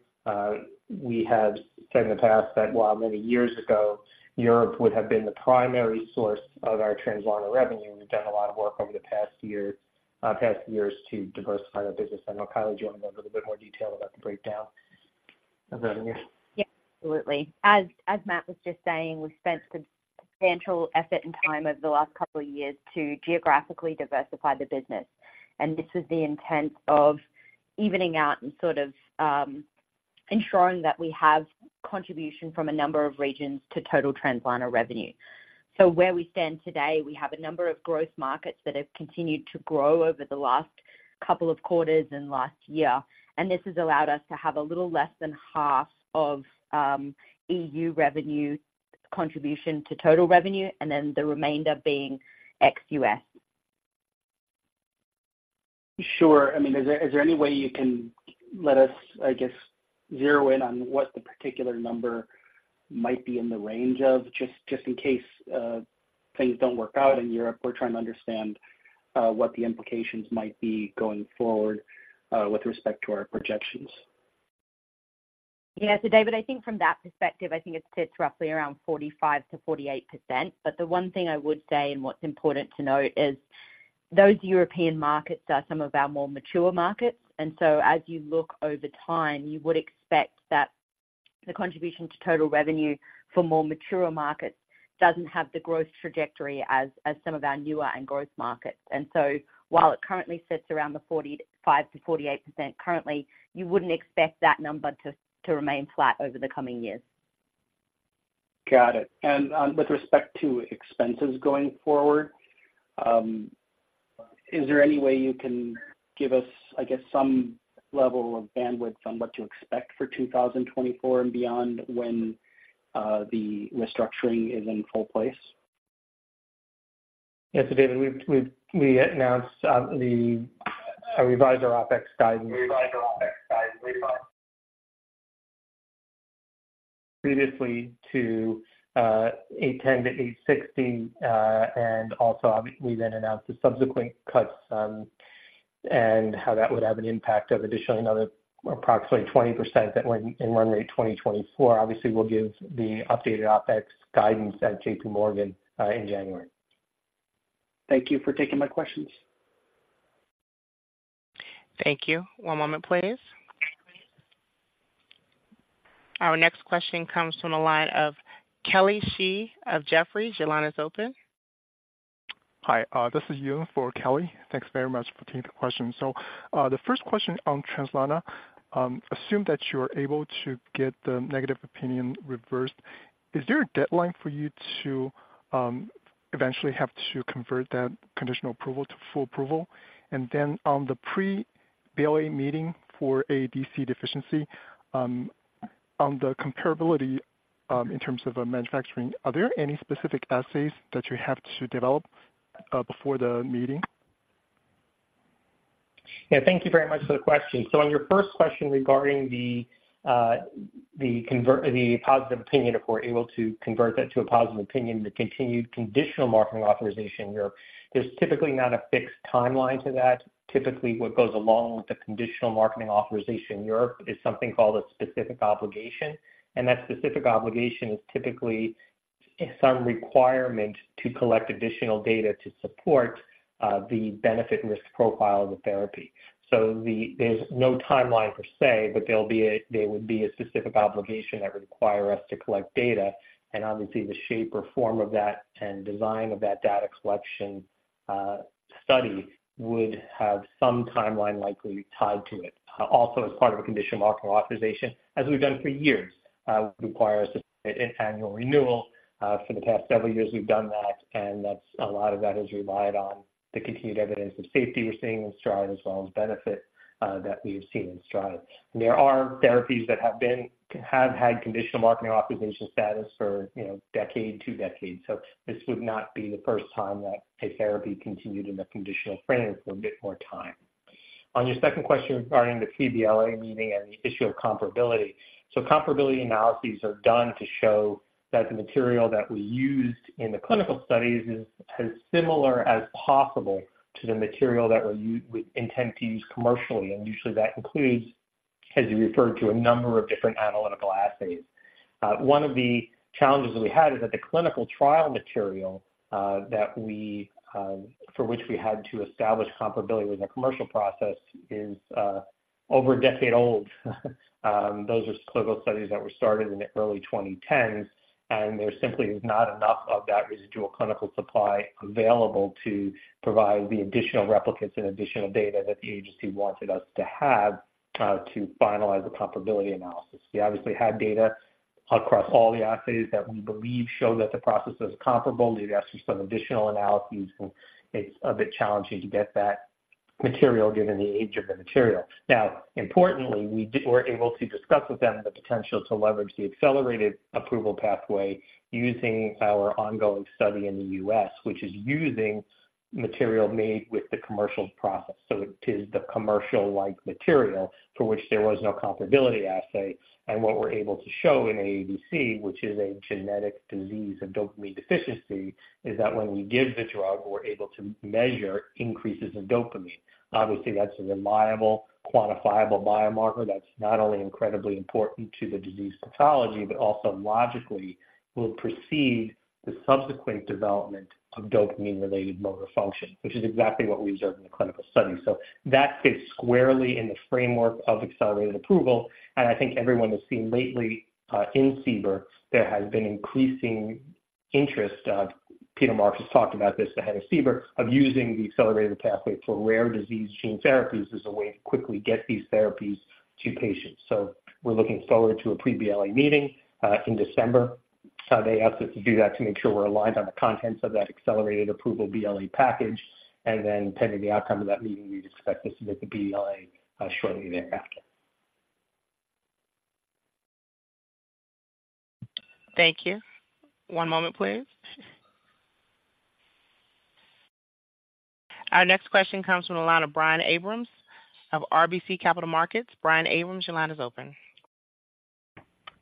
we have said in the past that while many years ago, Europe would have been the primary source of our Translarna revenue, we've done a lot of work over the past year, past years to diversify our business. I know, Kylie, do you want to go into a little bit more detail about the breakdown of revenue? Yeah, absolutely. As, as Matt was just saying, we've spent substantial effort and time over the last couple of years to geographically diversify the business. And this was the intent of evening out and sort of ensuring that we have contribution from a number of regions to total Translarna revenue. So where we stand today, we have a number of growth markets that have continued to grow over the last couple of quarters and last year, and this has allowed us to have a little less than half of EU revenue contribution to total revenue, and then the remainder being ex-US. Sure. I mean, is there, is there any way you can let us, I guess, zero in on what the particular number might be in the range of? Just, just in case, things don't work out in Europe, we're trying to understand, what the implications might be going forward, with respect to our projections. Yeah. So, David, I think from that perspective, I think it sits roughly around 45%-48%. But the one thing I would say, and what's important to note, is those European markets are some of our more mature markets. And so as you look over time, you would expect that the contribution to total revenue for more mature markets doesn't have the growth trajectory as some of our newer and growth markets. And so while it currently sits around the 45%-48% currently, you wouldn't expect that number to remain flat over the coming years. Got it. And with respect to expenses going forward, is there any way you can give us, I guess, some level of bandwidth on what to expect for 2024 and beyond, when the restructuring is in full place? Yes, so David, we've announced the revised our OpEx guidance, previously to $810 million-$860 million. Also, obviously, we then announced the subsequent cuts, and how that would have an impact of additionally another approximately 20% that when in run rate 2024. Obviously, we'll give the updated OpEx guidance at J.P. Morgan in January. Thank you for taking my questions. Thank you. One moment, please. Our next question comes from the line of Kelly Shi of Jefferies. Your line is open. Hi, this is Yun for Kelly. Thanks very much for taking the question. So, the first question on Translarna. Assume that you are able to get the negative opinion reversed. Is there a deadline for you to eventually have to convert that conditional approval to full approval? And then on the pre-BLA meeting for AADC deficiency, on the comparability, in terms of manufacturing, are there any specific assays that you have to develop before the meeting? Yeah, thank you very much for the question. So on your first question regarding the positive opinion, if we're able to convert that to a positive opinion, the continued conditional marketing authorization, there's typically not a fixed timeline to that. Typically, what goes along with the conditional marketing authorization in Europe is something called a specific obligation, and that specific obligation is typically some requirement to collect additional data to support the benefit and risk profile of the therapy. So there's no timeline per se, but there'll be a, there would be a specific obligation that would require us to collect data, and obviously, the shape or form of that and design of that data collection study would have some timeline likely tied to it. Also, as part of a conditional marketing authorization, as we've done for years, requires an annual renewal. For the past several years, we've done that, and that's a lot of that has relied on the continued evidence of safety we're seeing in STRIDE as well as benefit that we have seen in STRIDE. And there are therapies that have had conditional marketing authorization status for, you know, decade, two decades. So this would not be the first time that a therapy continued in a conditional framework for a bit more time. On your second question regarding the BLA meeting and the issue of comparability. So comparability analyses are done to show that the material that we used in the clinical studies is as similar as possible to the material that we intend to use commercially, and usually that includes, as you referred to, a number of different analytical assays. One of the challenges that we had is that the clinical trial material, that we, for which we had to establish comparability with the commercial process is, over a decade old. Those are clinical studies that were started in the early 2010s, and there simply is not enough of that residual clinical supply available to provide the additional replicates and additional data that the agency wanted us to have, to finalize the comparability analysis. We obviously had data across all the assays that we believe show that the process is comparable. We asked for some additional analyses, and it's a bit challenging to get that material given the age of the material. Now, importantly, we're able to discuss with them the potential to leverage the accelerated approval pathway using our ongoing study in the U.S., which is using material made with the commercial process. So it is the commercial-like material for which there was no comparability assay. And what we're able to show in AADC, which is a genetic disease of dopamine deficiency, is that when we give the drug, we're able to measure increases in dopamine. Obviously, that's a reliable, quantifiable biomarker that's not only incredibly important to the disease pathology, but also logically will precede the subsequent development of dopamine-related motor function, which is exactly what we observed in the clinical study. So that fits squarely in the framework of accelerated approval, and I think everyone has seen lately in CBER, there has been increasing interest. Peter Marks has talked about this, the head of CBER, of using the accelerated pathway for rare disease gene therapies as a way to quickly get these therapies to patients. So we're looking forward to a pre-BLA meeting in December. They asked us to do that to make sure we're aligned on the contents of that accelerated approval BLA package, and then pending the outcome of that meeting, we'd expect to submit the BLA shortly thereafter. Thank you. One moment, please. Our next question comes from the line of Brian Abrahams of RBC Capital Markets. Brian Abrahams, your line is open.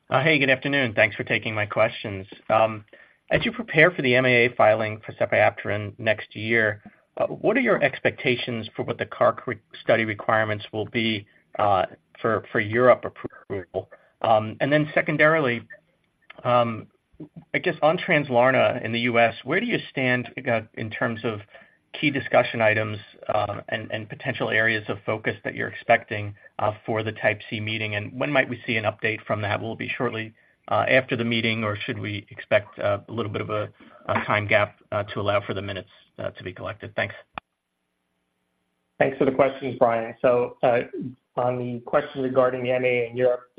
Hey, good afternoon. Thanks for taking my questions. As you prepare for the MAA filing for sepiapterin next year, what are your expectations for what the carc study requirements will be, for Europe approval? And then secondarily, I guess on Translarna in the U.S., where do you stand in terms of key discussion items, and potential areas of focus that you're expecting, for the Type C meeting? And when might we see an update from that? Will it be shortly after the meeting, or should we expect a little bit of a time gap to allow for the minutes to be collected? Thanks. Thanks for the questions, Brian. So, on the question regarding the MAA in Europe,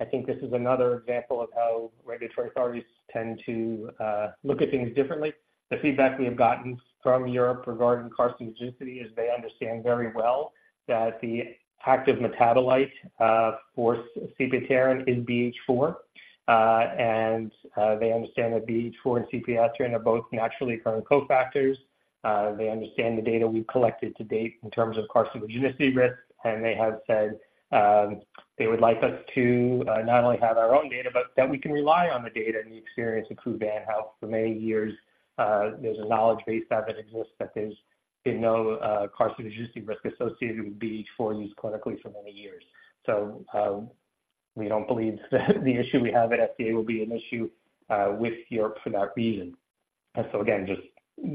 I think this is another example of how regulatory authorities tend to look at things differently. The feedback we have gotten from Europe regarding carcinogenicity is they understand very well that the active metabolite for sepiapterin is BH4. And they understand that BH4 and sepiapterin are both naturally occurring cofactors. They understand the data we've collected to date in terms of carcinogenicity risk, and they have said, they would like us to not only have our own data, but that we can rely on the data and the experience of Kuvan. How, for many years, there's a knowledge base that exists, that there's been no carcinogenicity risk associated with BH4 use clinically for many years. So, we don't believe that the issue we have at FDA will be an issue with Europe for that reason. So again, just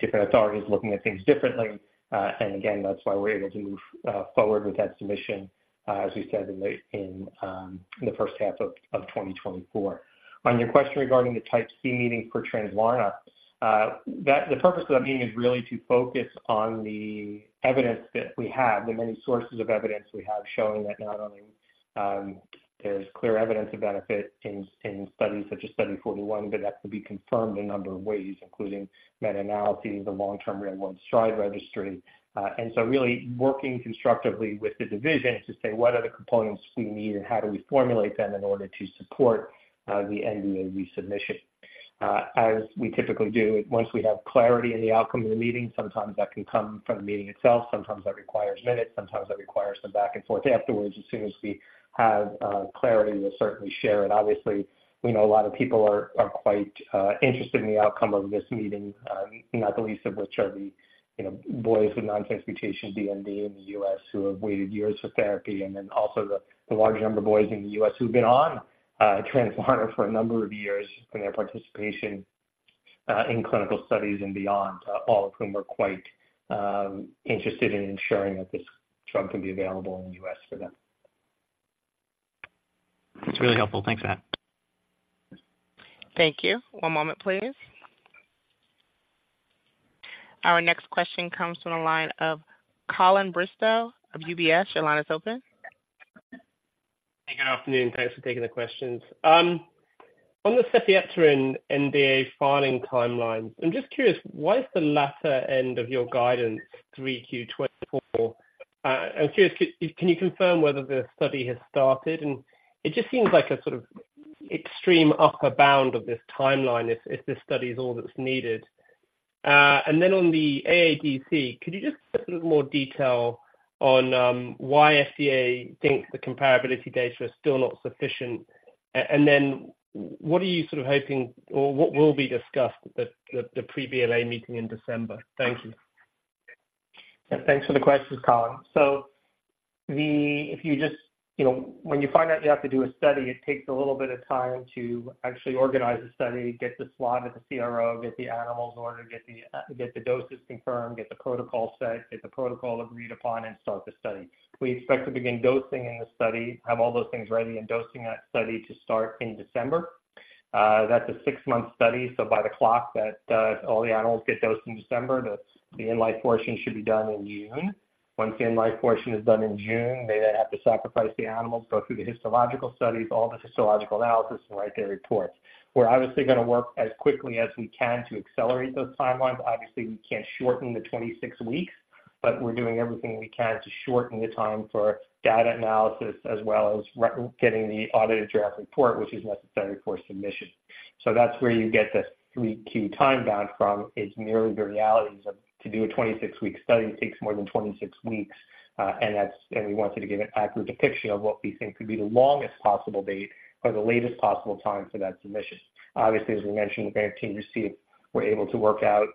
different authorities looking at things differently, and again, that's why we're able to move forward with that submission, as we said, in the first half of 2024. On your question regarding the Type C meeting for Translarna, that, the purpose of that meeting is really to focus on the evidence that we have, the many sources of evidence we have, showing that not only there's clear evidence of benefit in studies such as study 41, but that can be confirmed a number of ways, including meta-analysis, the long-term real-world STRIDE registry. and so really working constructively with the division to say: What are the components we need and how do we formulate them in order to support the NDA resubmission? As we typically do, once we have clarity in the outcome of the meeting, sometimes that can come from the meeting itself, sometimes that requires minutes, sometimes that requires some back and forth. Afterwards, as soon as we have clarity, we'll certainly share it. Obviously, we know a lot of people are quite interested in the outcome of this meeting, not the least of which are the, you know, boys with nonsense mutation DMD in the U.S. who have waited years for therapy, and then also the large number of boys in the U.S. who've been on Translarna for a number of years, and their participation... In clinical studies and beyond, all of whom are quite interested in ensuring that this drug can be available in the U.S. for them. That's really helpful. Thanks, Matt. Thank you. One moment, please. Our next question comes from the line of Colin Bristow of UBS. Your line is open. Hey, good afternoon. Thanks for taking the questions. On the sepiapterin NDA filing timeline, I'm just curious, why is the latter end of your guidance 3Q 2024? I'm curious, can you confirm whether the study has started? And it just seems like a sort of extreme upper bound of this timeline, if, if this study is all that's needed. And then on the AADC, could you just give a little more detail on, why FDA thinks the comparability data is still not sufficient? And then what are you sort of hoping, or what will be discussed at the, the pre-BLA meeting in December? Thank you. Yeah. Thanks for the questions, Colin. So if you just, you know, when you find out you have to do a study, it takes a little bit of time to actually organize the study, get the slot at the CRO, get the animals in order, get the doses confirmed, get the protocol set, get the protocol agreed upon, and start the study. We expect to begin dosing in the study, have all those things ready and dosing that study to start in December. That's a six-month study, so by the clock, all the animals get dosed in December, the in-life portion should be done in June. Once the in-life portion is done in June, they have to sacrifice the animals, go through the histological studies, all the histological analysis, and write their reports. We're obviously going to work as quickly as we can to accelerate those timelines. Obviously, we can't shorten the 26 weeks, but we're doing everything we can to shorten the time for data analysis as well as re-getting the audited draft report, which is necessary for submission. So that's where you get the 3Q time bound from. It's merely the realities of to do a 26-week study takes more than 26 weeks, and that's and we wanted to give an accurate depiction of what we think could be the longest possible date or the latest possible time for that submission. Obviously, as we mentioned, the management team received, we're able to work out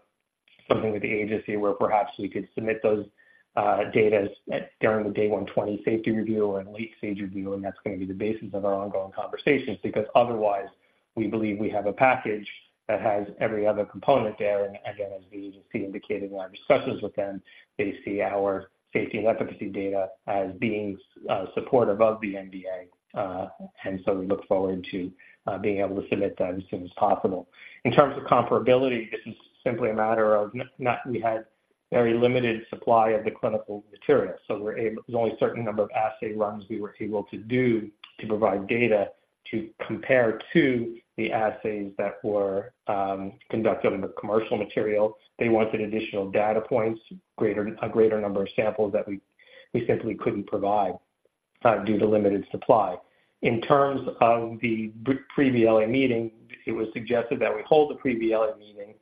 something with the agency where perhaps we could submit those, data at, during the day 120 safety review or end late stage review, and that's going to be the basis of our ongoing conversations. Because otherwise, we believe we have a package that has every other component there. And again, as the agency indicated in our discussions with them, they see our safety and efficacy data as being, supportive of the NDA. And so we look forward to, being able to submit that as soon as possible. In terms of comparability, this is simply a matter of not we had very limited supply of the clinical material. So we're able to. There's only a certain number of assay runs we were able to do to provide data to compare to the assays that were conducted with commercial material. They wanted additional data points, greater, a greater number of samples that we simply couldn't provide due to limited supply. In terms of the pre-BLA meeting, it was suggested that we hold the pre-BLA meeting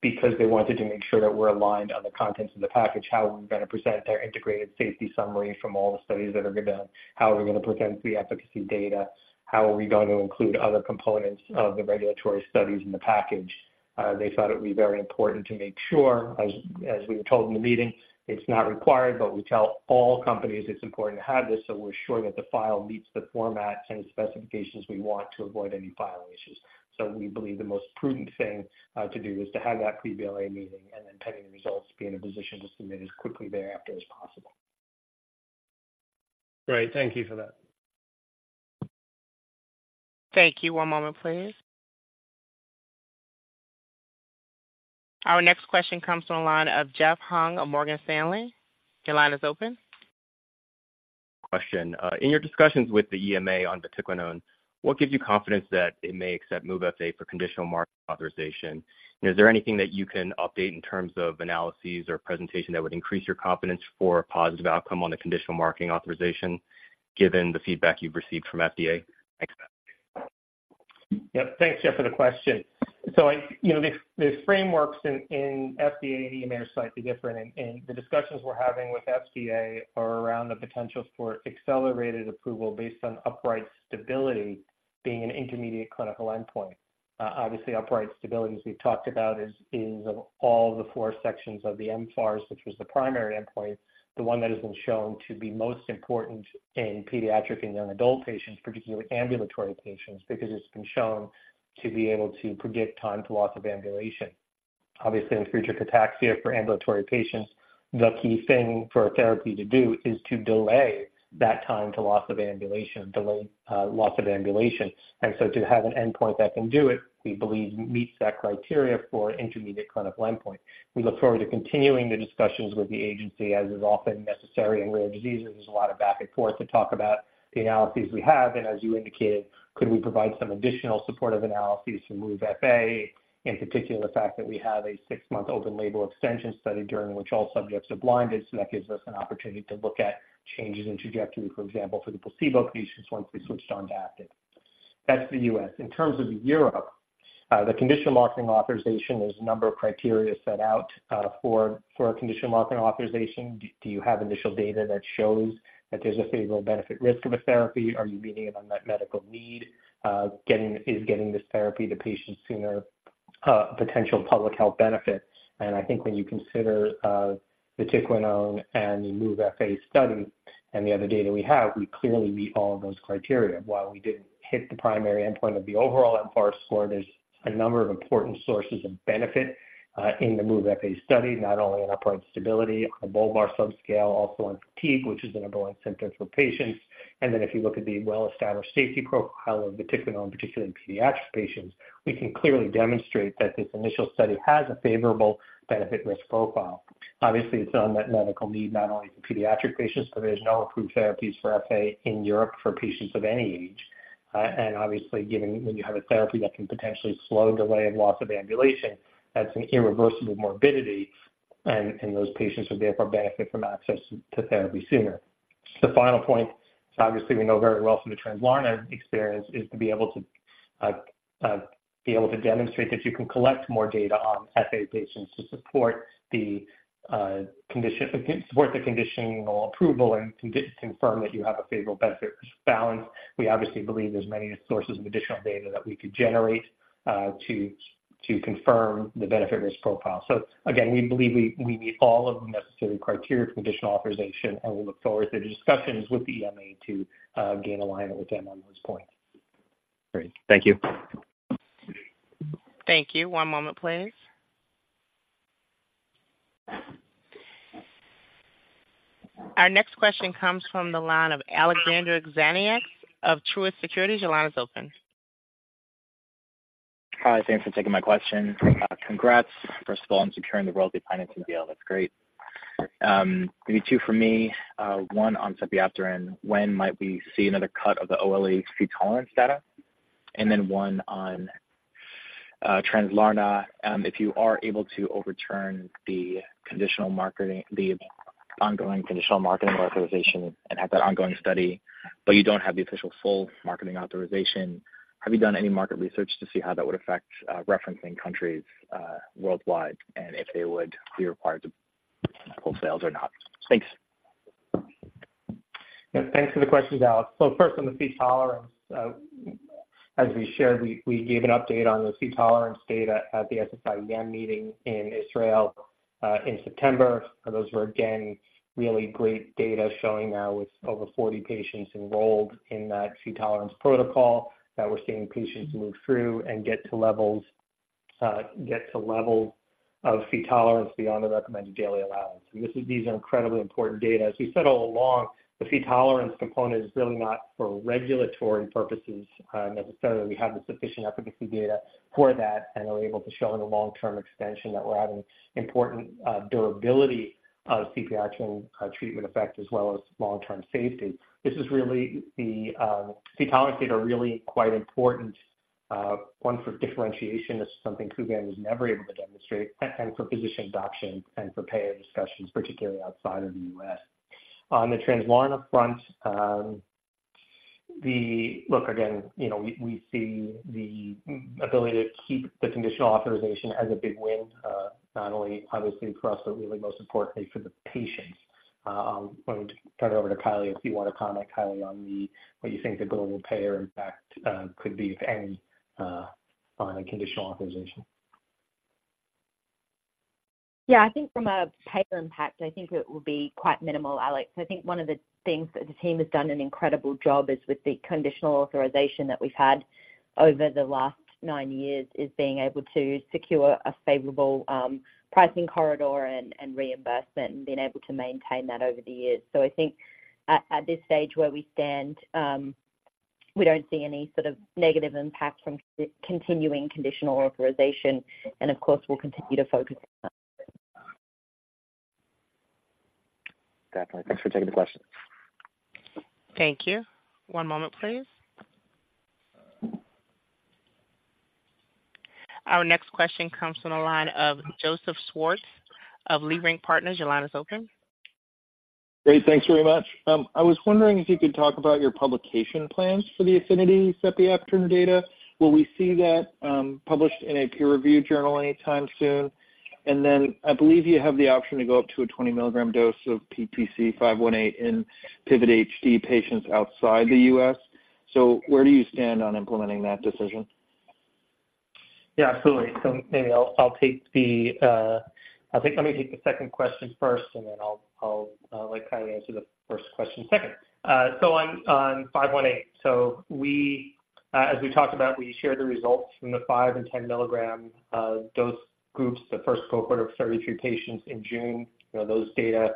because they wanted to make sure that we're aligned on the contents of the package, how we're going to present their integrated safety summary from all the studies that are being done. How are we going to present the efficacy data? How are we going to include other components of the regulatory studies in the package? They thought it would be very important to make sure, as we were told in the meeting, it's not required, but we tell all companies it's important to have this, so we're sure that the file meets the format and specifications we want to avoid any file issues. So we believe the most prudent thing to do is to have that pre-BLA meeting and then pending the results, be in a position to submit as quickly thereafter as possible. Great. Thank you for that. Thank you. One moment, please. Our next question comes from the line of Jeff Hung of Morgan Stanley. Your line is open. Question. In your discussions with the EMA on vatiquinone, what gives you confidence that it may accept MOVE-FA for conditional market authorization? And is there anything that you can update in terms of analyses or presentation that would increase your confidence for a positive outcome on the conditional marketing authorization, given the feedback you've received from FDA? Thanks. Yep. Thanks, Jeff, for the question. So, you know, the frameworks in FDA and EMA are slightly different, and the discussions we're having with FDA are around the potential for accelerated approval based on upright stability being an intermediate clinical endpoint. Obviously, upright stability, as we've talked about, is of all the four sections of the mFARS, which was the primary endpoint, the one that has been shown to be most important in pediatric and young adult patients, particularly ambulatory patients, because it's been shown to be able to predict time to loss of ambulation. Obviously, in Friedreich's ataxia for ambulatory patients, the key thing for a therapy to do is to delay that time to loss of ambulation, delay loss of ambulation. And so to have an endpoint that can do it, we believe meets that criteria for intermediate clinical endpoint. We look forward to continuing the discussions with the agency, as is often necessary in rare diseases. There's a lot of back and forth to talk about the analyses we have, and as you indicated, could we provide some additional supportive analyses to move FA, in particular, the fact that we have a six-month open label extension study during which all subjects are blinded. So that gives us an opportunity to look at changes in trajectory, for example, for the placebo patients once we switched on to active. That's the U.S. In terms of Europe, the conditional marketing authorization, there's a number of criteria set out for a conditional marketing authorization. Do you have initial data that shows that there's a favorable benefit risk of a therapy? Are you meeting it on that medical need? Getting this therapy to patients sooner, potential public health benefits. And I think when you consider the vatiquinone and the MOVE-FA study and the other data we have, we clearly meet all of those criteria. While we didn't hit the primary endpoint of the overall mFARS score, there's a number of important sources of benefit in the MOVE-FA study, not only on upright stability, on Bulbar subscale, also on fatigue, which is the number one symptom for patients. And then if you look at the well-established safety profile of vatiquinone, particularly in pediatric patients, we can clearly demonstrate that this initial study has a favorable benefit risk profile. Obviously, it's unmet medical need, not only for pediatric patients, but there's no approved therapies for FA in Europe for patients of any age. and obviously, given when you have a therapy that can potentially slow, delay, and loss of ambulation, that's an irreversible morbidity, and those patients will therefore benefit from access to therapy sooner. The final point, obviously, we know very well from the Translarna experience, is to be able to demonstrate that you can collect more data on FA patients to support the condition, support the conditional approval and confirm that you have a favorable benefit-risk balance. We obviously believe there's many sources of additional data that we could generate to confirm the benefit-risk profile. So again, we believe we meet all of the necessary criteria for additional authorization, and we look forward to the discussions with the EMA to gain alignment with them on this point. Great. Thank you. Thank you. One moment, please. Our next question comes from the line of Alexander Xenakis of Truist Securities. Your line is open. Hi, thanks for taking my question. Congrats, first of all, on securing the royalty financing deal. That's great. Maybe two for me, one on sepiapterin. When might we see another cut of the OLE Phe tolerance data? And then one on Translarna, if you are able to overturn the conditional marketing, the ongoing conditional marketing authorization and have that ongoing study, but you don't have the official full marketing authorization, have you done any market research to see how that would affect referencing countries worldwide, and if they would be required to hold sales or not? Thanks. Yeah. Thanks for the questions, Alex. First, on the Phe tolerance, as we shared, we gave an update on the Phe tolerance data at the SSIEM meeting in Israel in September. Those were, again, really great data showing now with over 40 patients enrolled in that Phe tolerance protocol, that we're seeing patients move through and get to levels, get to levels of Phe tolerance beyond the recommended daily allowance. These are incredibly important data. As we said all along, the Phe tolerance component is really not for regulatory purposes, necessarily. We have the sufficient efficacy data for that, and are able to show in the long-term extension that we're having important durability of sepiapterin treatment effect as well as long-term safety. This is really the Phe tolerance data are really quite important, one, for differentiation. This is something Kuvan was never able to demonstrate, and for physician adoption and for payer discussions, particularly outside of the U.S. On the Translarna front, Look, again, you know, we, we see the ability to keep the conditional authorization as a big win, not only obviously for us, but really most importantly for the patients. Why don't I turn it over to Kylie, if you want to comment, Kylie, on the, what you think the global payer impact could be with any, on a conditional authorization? Yeah, I think from a payer impact, I think it will be quite minimal, Alex. I think one of the things that the team has done an incredible job is with the conditional authorization that we've had over the last nine years, is being able to secure a favorable pricing corridor and reimbursement and being able to maintain that over the years. So I think at this stage where we stand, we don't see any sort of negative impact from continuing conditional authorization, and of course, we'll continue to focus on it. Definitely. Thanks for taking the question. Thank you. One moment, please. Our next question comes from the line of Joseph Schwartz of Leerink Partners. Your line is open. Great. Thanks very much. I was wondering if you could talk about your publication plans for the APHINITY sepiapterin data. Will we see that published in a peer-review journal anytime soon? I believe you have the option to go up to a 20 mg dose of PTC518 in PIVOT-HD patients outside the U.S. Where do you stand on implementing that decision? Yeah, absolutely. So maybe I'll, I'll take the, I think let me take the second question first, and then I'll, I'll, let Kylie answer the first question second. So on, on 518. So we, as we talked about, we shared the results from the five and 10 mg dose groups, the first cohort of 32 patients in June. You know, those data,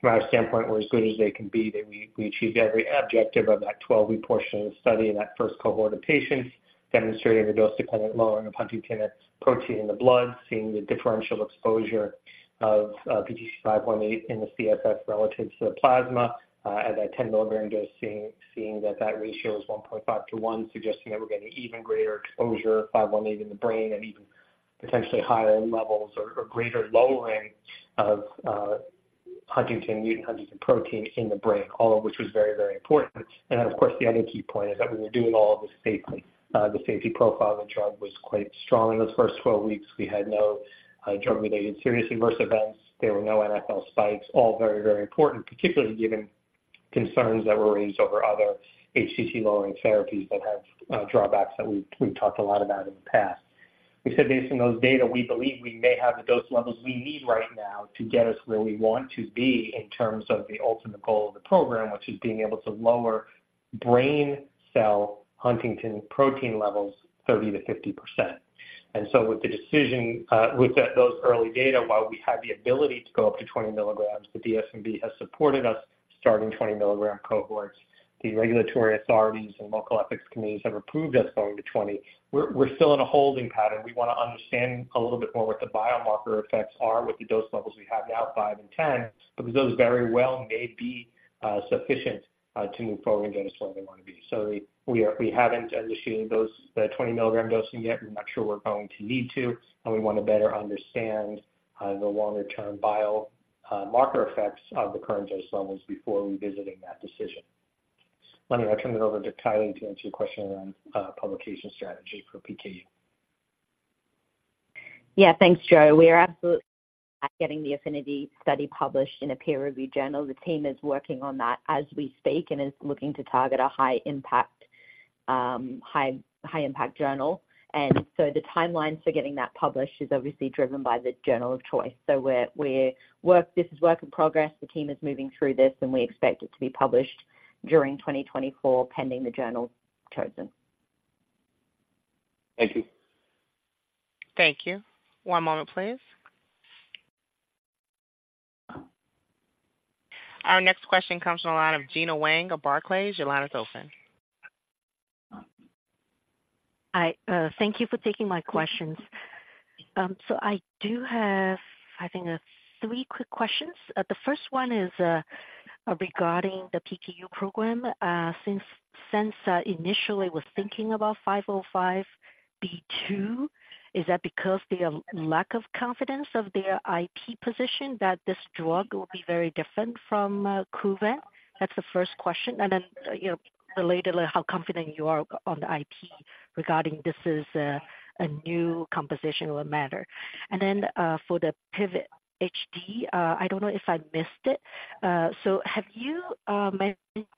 from our standpoint, were as good as they can be. We achieved every objective of that 12-week portion of the study in that first cohort of patients, demonstrating the dose-dependent lowering of huntingtin protein in the blood, seeing the differential exposure of PTC518 in the CSF relative to the plasma at that 10 mg dose, seeing that that ratio is 1.5 to 1, suggesting that we're getting an even greater exposure of 518 in the brain and even potentially higher levels or greater lowering of huntingtin, mutant huntingtin protein in the brain, all of which was very, very important. Of course, the other key point is that we were doing all of this safely. The safety profile of the drug was quite strong in those first 12 weeks. We had no drug-related serious adverse events. There were no NfL spikes. All very, very important, particularly given concerns that were raised over other HCC lowering therapies that have drawbacks that we've, we've talked a lot about in the past. We said based on those data, we believe we may have the dose levels we need right now to get us where we want to be in terms of the ultimate goal of the program, which is being able to lower brain cell Huntingtin protein levels 30%-50%. And so with the decision, with that, those early data, while we had the ability to go up to 20 mg, the DSMB has supported us starting 20 mg cohorts. The regulatory authorities and local ethics committees have approved us going to 20. We're, we're still in a holding pattern. We wanna understand a little bit more what the biomarker effects are with the dose levels we have now, five and 10, because those very well may be sufficient to move forward, get us where we wanna be. So we haven't initiated those, the 20 mg dosing yet. We're not sure we're going to need to, and we want to better understand the longer-term biomarker effects of the current dose levels before revisiting that decision. Let me now turn it over to Kylie to answer your question around publication strategy for PKU. Yeah, thanks, Joe. We are absolutely getting the APHINITY study published in a peer review journal. The team is working on that as we speak and is looking to target a high impact journal. And so the timelines for getting that published is obviously driven by the journal of choice. So we're working. This is work in progress. The team is moving through this, and we expect it to be published during 2024, pending the journal chosen. Thank you. Thank you. One moment, please. Our next question comes from the line of Gena Wang of Barclays. Your line is open. Hi, thank you for taking my questions. So I do have, I think, three quick questions. The first one is, regarding the PKU program. Since, Censa initially was thinking about 505(b)(2), is that because the, lack of confidence of their IP position that this drug will be very different from, Kuvan? That's the first question. And then, you know, related, how confident you are on the IP regarding this is, a new composition or matter. And then, for the PIVOT-HD, I don't know if I missed it. So have you,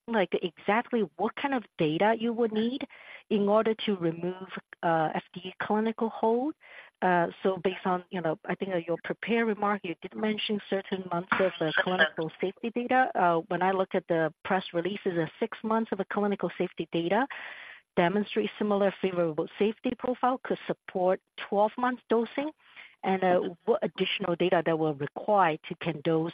like, exactly what kind of data you would need in order to remove, FDA clinical hold? So based on, you know, I think your prepared remark, you did mention certain months of, clinical safety data. When I looked at the press releases, the six months of a clinical safety data demonstrate similar favorable safety profile, could support 12 months dosing, and, what additional data that will require to can dose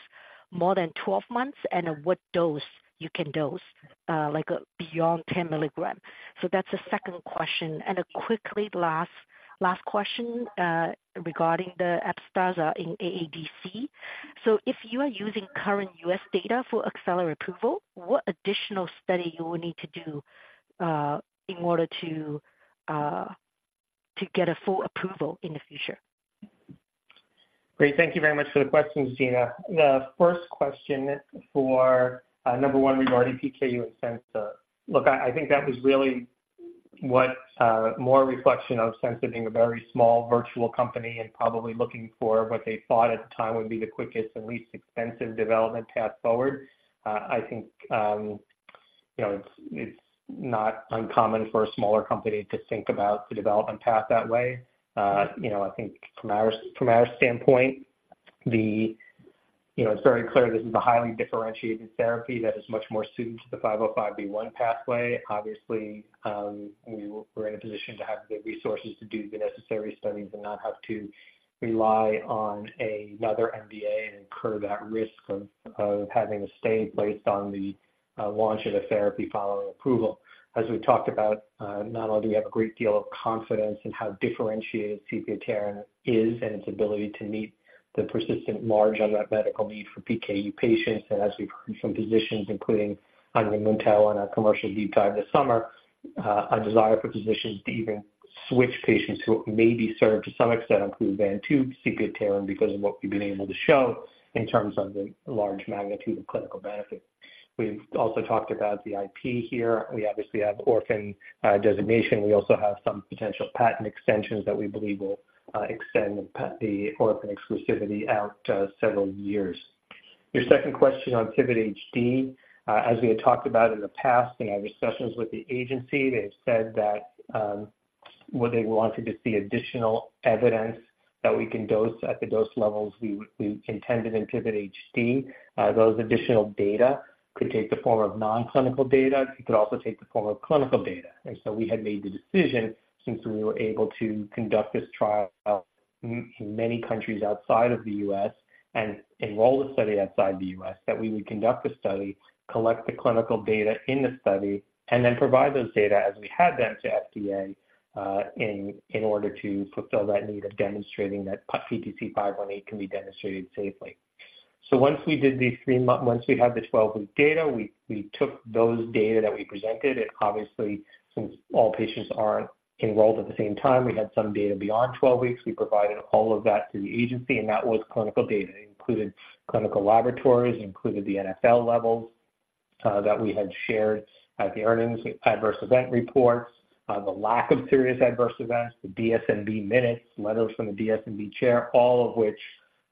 more than 12 months, and what dose you can dose, like beyond 10 mg. So that's the second question. And quickly, last, last question, regarding the Upstaza in AADC. So if you are using current U.S. data for accelerated approval, what additional study you will need to do, in order to, to get a full approval in the future? Great. Thank you very much for the questions, Gina. The first question for, number one, regarding PKU and Censa. Look, I think that was really what, more reflection of Censa being a very small virtual company and probably looking for what they thought at the time would be the quickest and least expensive development path forward. I think, you know, it's, it's not uncommon for a smaller company to think about the development path that way. You know, I think from our, from our standpoint, the, you know, it's very clear this is a highly differentiated therapy that is much more suited to the 505(b)(1) pathway. Obviously, we're in a position to have the resources to do the necessary studies and not have to rely on another NDA and incur that risk of, of having a stay based on the, launch of the therapy following approval. As we talked about, not only do we have a great deal of confidence in how differentiated sepiapterin is and its ability to meet the persistent large unmet medical need for PKU patients, and as we've heard from physicians, including Ania Muntau on our Commercial Day time this summer, a desire for physicians to even switch patients who may be served to some extent on Kuvan to sepiapterin, because of what we've been able to show in terms of the large magnitude of clinical benefit. We've also talked about the IP here. We obviously have orphan, designation. We also have some potential patent extensions that we believe will extend the orphan exclusivity out several years. Your second question on PIVOT-HD. As we had talked about in the past, in our discussions with the agency, they've said that what they wanted to see additional evidence that we can dose at the dose levels we intended in PIVOT-HD. Those additional data could take the form of non-clinical data. It could also take the form of clinical data. We had made the decision, since we were able to conduct this trial in many countries outside of the U.S. and enroll the study outside the U.S., that we would conduct the study, collect the clinical data in the study, and then provide those data as we had them to FDA, in order to fulfill that need of demonstrating that PTC518 can be demonstrated safely. So once we had the 12-week data, we took those data that we presented, and obviously, since all patients aren't enrolled at the same time, we had some data beyond 12 weeks. We provided all of that to the agency, and that was clinical data. It included clinical laboratories, it included the NfL levels, that we had shared at the earnings, adverse event reports, the lack of serious adverse events, the DSMB minutes, letters from the DSMB chair, all of which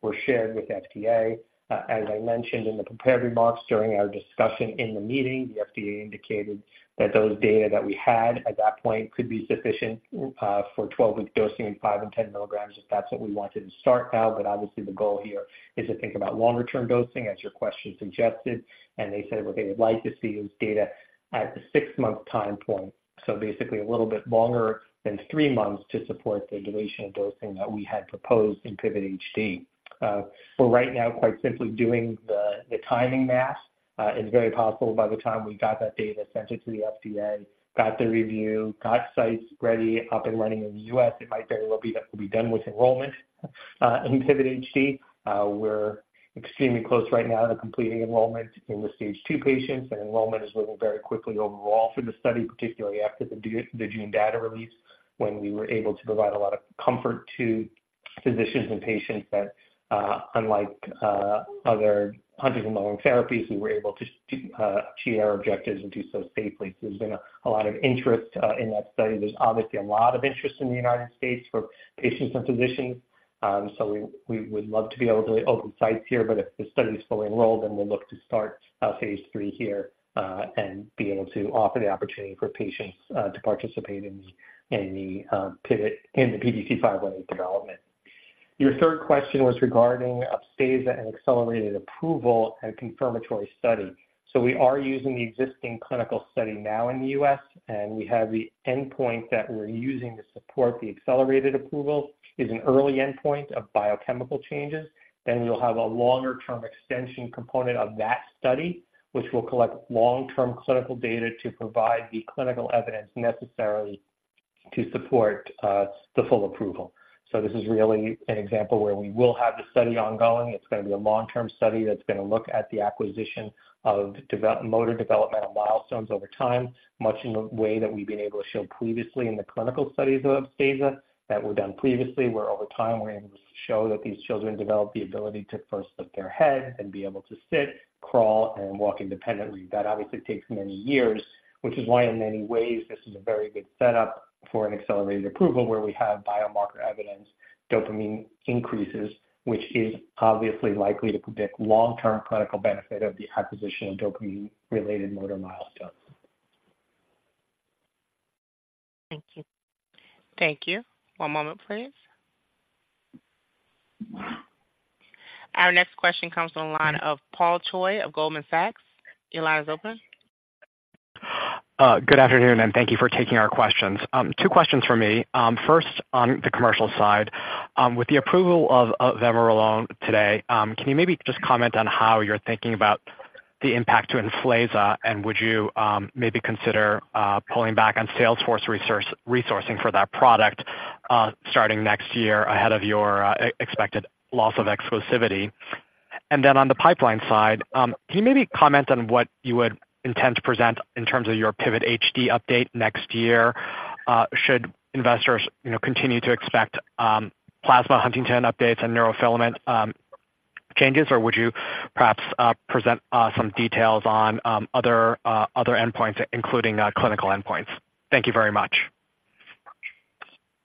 were shared with the FDA. As I mentioned in the prepared remarks during our discussion in the meeting, the FDA indicated that those data that we had at that point could be sufficient, for 12-week dosing in five and 10 mg, if that's what we wanted to start now. But obviously, the goal here is to think about longer-term dosing, as your question suggested, and they said what they would like to see is data at the 6-month time point. So basically, a little bit longer than three months to support the duration of dosing that we had proposed in PIVOT-HD. For right now, quite simply, doing the timing math, it's very possible by the time we got that data sent it to the FDA, got the review, got sites ready, up and running in the U.S., it might very well be that we'll be done with enrollment in PIVOT-HD. We're extremely close right now to completing enrollment in the stage two patients, and enrollment is moving very quickly overall for the study, particularly after the gene data release, when we were able to provide a lot of comfort to physicians and patients that, unlike other Huntington's disease therapies, we were able to achieve our objectives and do so safely. So there's been a lot of interest in that study. There's obviously a lot of interest in the United States for patients and physicians. So we we would love to be able to open sites here, but if the study is fully enrolled, then we'll look to start phase III here and be able to offer the opportunity for patients to participate in the PIVOT-HD in the PTC518 development. Your third question was regarding Upstaza and accelerated approval and confirmatory study. So we are using the existing clinical study now in the U.S., and we have the endpoint that we're using to support the accelerated approval, is an early endpoint of biochemical changes. Then you'll have a longer-term extension component of that study, which will collect long-term clinical data to provide the clinical evidence necessary to support the full approval. So this is really an example where we will have the study ongoing. It's going to be a long-term study that's going to look at the acquisition of developmental motor milestones over time, much in the way that we've been able to show previously in the clinical studies of Upstaza that were done previously, where over time, we're able to show that these children develop the ability to first lift their head and be able to sit, crawl, and walk independently. That obviously takes many years, which is why, in many ways, this is a very good setup for an accelerated approval, where we have biomarker evidence, dopamine increases, which is obviously likely to predict long-term clinical benefit of the acquisition of dopamine-related motor milestones. Thank you. Thank you. One moment, please. Our next question comes from the line of Paul Choi of Goldman Sachs. Your line is open. Good afternoon, and thank you for taking our questions. Two questions for me. First, on the commercial side, with the approval of vamorolone today, can you maybe just comment on how you're thinking about the impact to Emflaza, and would you maybe consider pulling back on salesforce resourcing for that product starting next year ahead of your expected loss of exclusivity? And then on the pipeline side, can you maybe comment on what you would intend to present in terms of your PIVOT-HD update next year? Should investors, you know, continue to expect plasma Huntingtin updates and neurofilament changes, or would you perhaps present some details on other endpoints, including clinical endpoints? Thank you very much.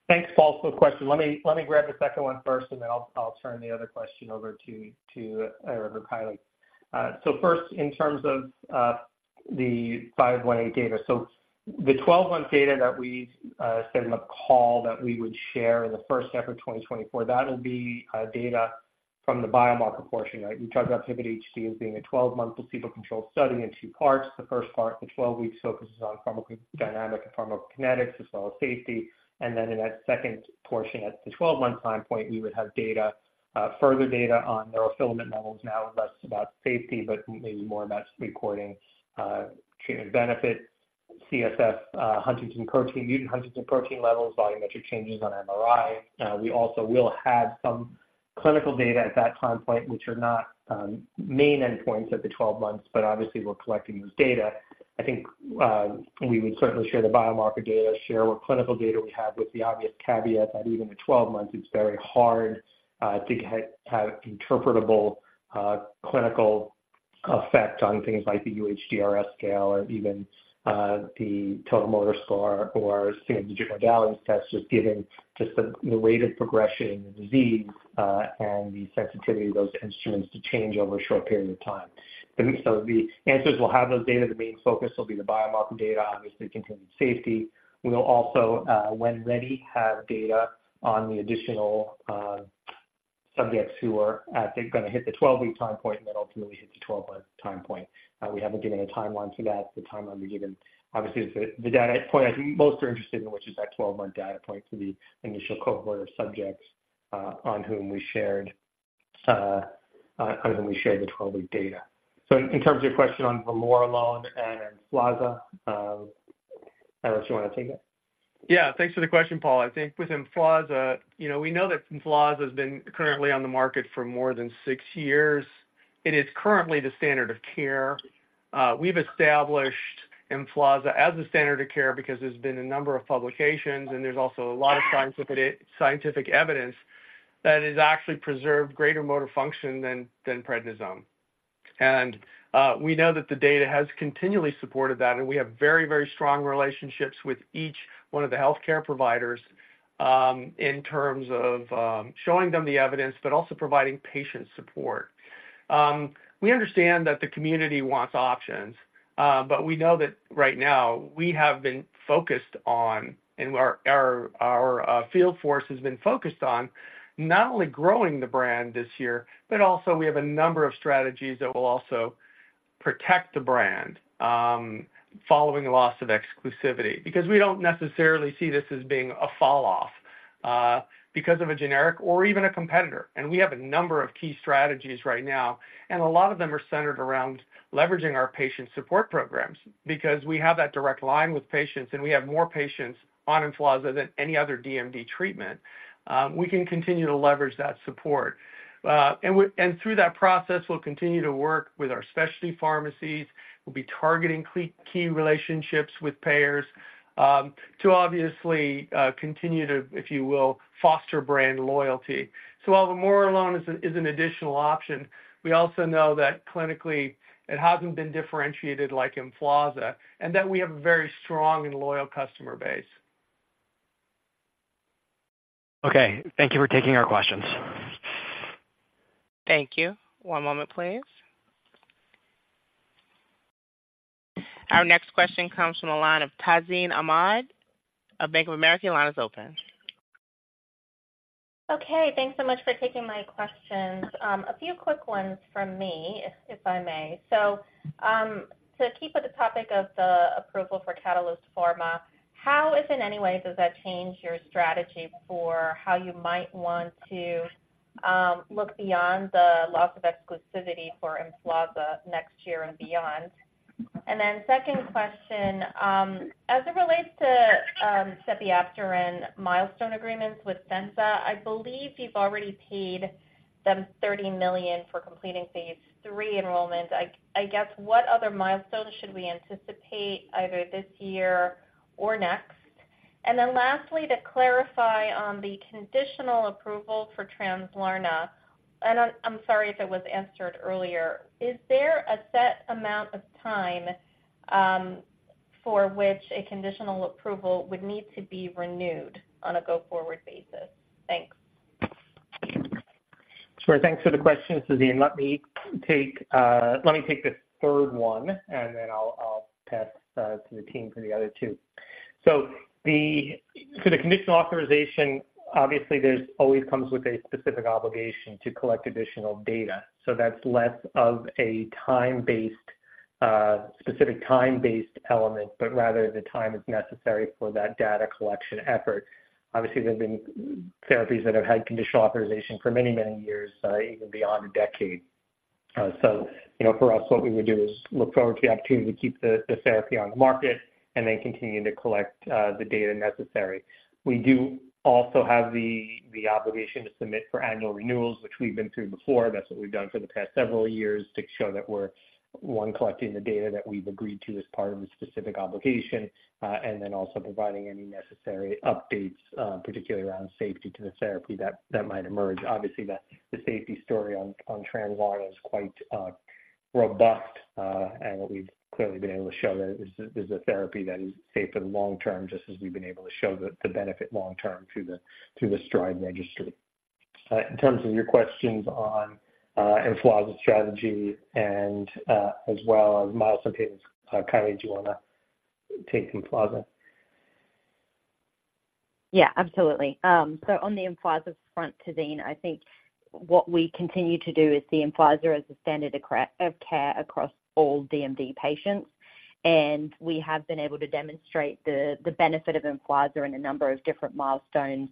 Thanks, Paul, for the question. Let me, let me grab the second one first, and then I'll, I'll turn the other question over to, to, Kylie. So first, in terms of, the 518 data. So the 12-month data that we said in the call that we would share in the first half of 2024, that'll be data from the biomarker portion, right? We talked about PIVOT-HD as being a 12-month placebo-controlled study in two parts. The first part, the 12 weeks, focuses on pharmacodynamic and pharmacokinetics as well as safety. And then in that second portion, at the 12-month time point, we would have data, further data on neurofilament levels, now less about safety, but maybe more about recording treatment benefit, CSF, Huntingtin protein, mutant Huntingtin protein levels, volumetric changes on MRI. We also will have some clinical data at that time point, which are not main endpoints at the 12 months, but obviously, we're collecting this data. I think we would certainly share the biomarker data, share what clinical data we have with the obvious caveat that even at 12 months, it's very hard to have interpretable clinical effect on things like the UHDRS scale or even the total motor score or some of the different modalities tests, just given the rate of progression of the disease and the sensitivity of those instruments to change over a short period of time. So the analysts will have those data. The main focus will be the biomarker data, obviously, concerning safety. We will also, when ready, have data on the additional subjects who are going to hit the 12-week time point and then ultimately hit the 12-month time point. We haven't given a timeline for that. The timeline will be given. Obviously, the data point I think most are interested in, which is that 12-month data point for the initial cohort of subjects, on whom we shared the 12-week data. So in terms of your question on vamorolone and Emflaza, Eric, do you want to take it? Yeah, thanks for the question, Paul. I think with Emflaza, you know, we know that Emflaza has been currently on the market for more than six years. It is currently the standard of care. We've established Emflaza as a standard of care because there's been a number of publications, and there's also a lot of scientific evidence that it has actually preserved greater motor function than prednisone. And, we know that the data has continually supported that, and we have very, very strong relationships with each one of the healthcare providers, in terms of showing them the evidence, but also providing patient support. We understand that the community wants options, but we know that right now we have been focused on, and our field force has been focused on not only growing the brand this year, but also we have a number of strategies that will also protect the brand, following loss of exclusivity. Because we don't necessarily see this as being a falloff, because of a generic or even a competitor. And we have a number of key strategies right now, and a lot of them are centered around leveraging our patient support programs. Because we have that direct line with patients, and we have more patients on Emflaza than any other DMD treatment. We can continue to leverage that support. And through that process, we'll continue to work with our specialty pharmacies. We'll be targeting key relationships with payers, to obviously continue to, if you will, foster brand loyalty. So while the vamorolone is an additional option, we also know that clinically it hasn't been differentiated like Emflaza, and that we have a very strong and loyal customer base. Okay, thank you for taking our questions. Thank you. One moment, please. Our next question comes from the line of Tazeen Ahmad of Bank of America. Line is open. Okay, thanks so much for taking my questions. A few quick ones from me, if I may. So, to keep with the topic of the approval for Catalyst Pharma, how, if in any way, does that change your strategy for how you might want to look beyond the loss of exclusivity for Emflaza next year and beyond? And then second question, as it relates to sepiapterin milestone agreements with Censa, I believe you've already paid them $30 million for completing phase III enrollment. I guess, what other milestones should we anticipate either this year or next? And then lastly, to clarify on the conditional approval for Translarna, and I'm sorry if it was answered earlier, is there a set amount of time for which a conditional approval would need to be renewed on a go-forward basis? Thanks. Sure. Thanks for the question, Tazeen. Let me take, let me take the third one, and then I'll, I'll pass to the team for the other two. So the, so the conditional authorization, obviously, there's always comes with a specific obligation to collect additional data. So that's less of a time-based, specific time-based element, but rather the time is necessary for that data collection effort. Obviously, there have been therapies that have had conditional authorization for many, many years, even beyond a decade. So, you know, for us, what we would do is look forward to the opportunity to keep the, the therapy on the market and then continue to collect the data necessary. We do also have the, the obligation to submit for annual renewals, which we've been through before. That's what we've done for the past several years, to show that we're, one, collecting the data that we've agreed to as part of the specific obligation, and then also providing any necessary updates, particularly around safety, to the therapy that might emerge. Obviously, the safety story on Translarna is quite robust, and we've clearly been able to show that it is a therapy that is safe for the long term, just as we've been able to show the benefit long term through the STRIDE registry. In terms of your questions on Emflaza's strategy and as well as milestones, Kylie, do you want to take Emflaza? Yeah, absolutely. So on the Emflaza front, Tazeen, I think what we continue to do is see Emflaza as a standard of care across all DMD patients. And we have been able to demonstrate the benefit of Emflaza in a number of different milestones,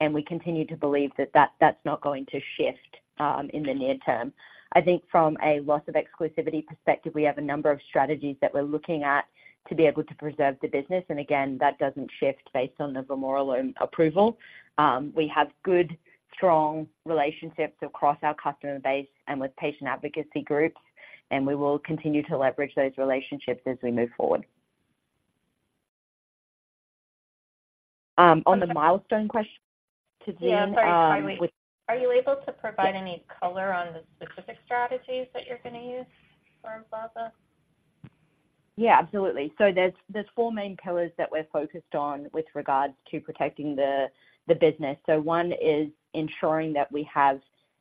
and we continue to believe that that's not going to shift in the near term. I think from a loss of exclusivity perspective, we have a number of strategies that we're looking at to be able to preserve the business. And again, that doesn't shift based on the vamorolone approval. We have good, strong relationships across our customer base and with patient advocacy groups, and we will continue to leverage those relationships as we move forward. On the milestone question, Tazeen, Yeah, sorry. Are you able to provide any color on the specific strategies that you're going to use for Emflaza? Yeah, absolutely. So there's four main pillars that we're focused on with regards to protecting the business. So one is ensuring that we have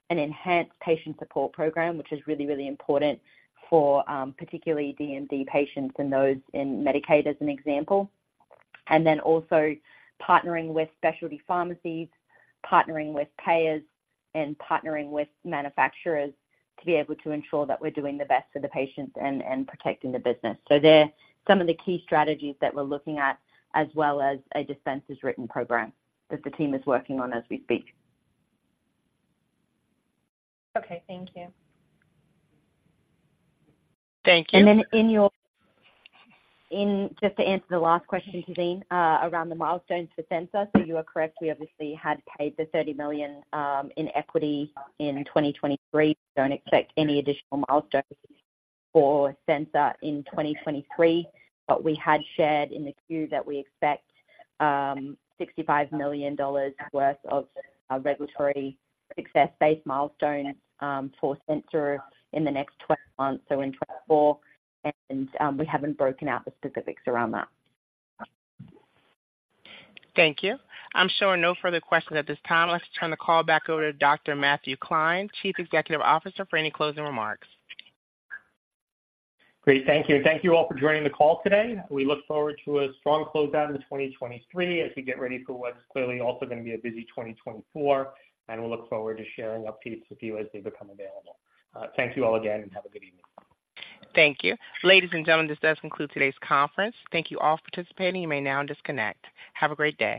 an enhanced patient support program, which is really, really important for particularly DMD patients and those in Medicaid, as an example. And then also partnering with specialty pharmacies, partnering with payers, and partnering with manufacturers to be able to ensure that we're doing the best for the patients and protecting the business. So they're some of the key strategies that we're looking at, as well as a Dispense as Written program that the team is working on as we speak. Okay, thank you. Thank you. In just to answer the last question, Tazeen, around the milestones for Censa. So you are correct. We obviously had paid the $30 million in equity in 2023. We don't expect any additional milestones for Censa in 2023, but we had shared in the Q that we expect $65 million worth of regulatory success-based milestones for Censa in the next twelve months, so in 2024. And we haven't broken out the specifics around that. Thank you. I'm showing no further questions at this time. Let's turn the call back over to Dr. Matthew Klein, Chief Executive Officer, for any closing remarks. Great, thank you. Thank you all for joining the call today. We look forward to a strong closeout in 2023 as we get ready for what's clearly also going to be a busy 2024, and we'll look forward to sharing updates with you as they become available. Thank you all again, and have a good evening. Thank you. Ladies and gentlemen, this does conclude today's conference. Thank you all for participating. You may now disconnect. Have a great day.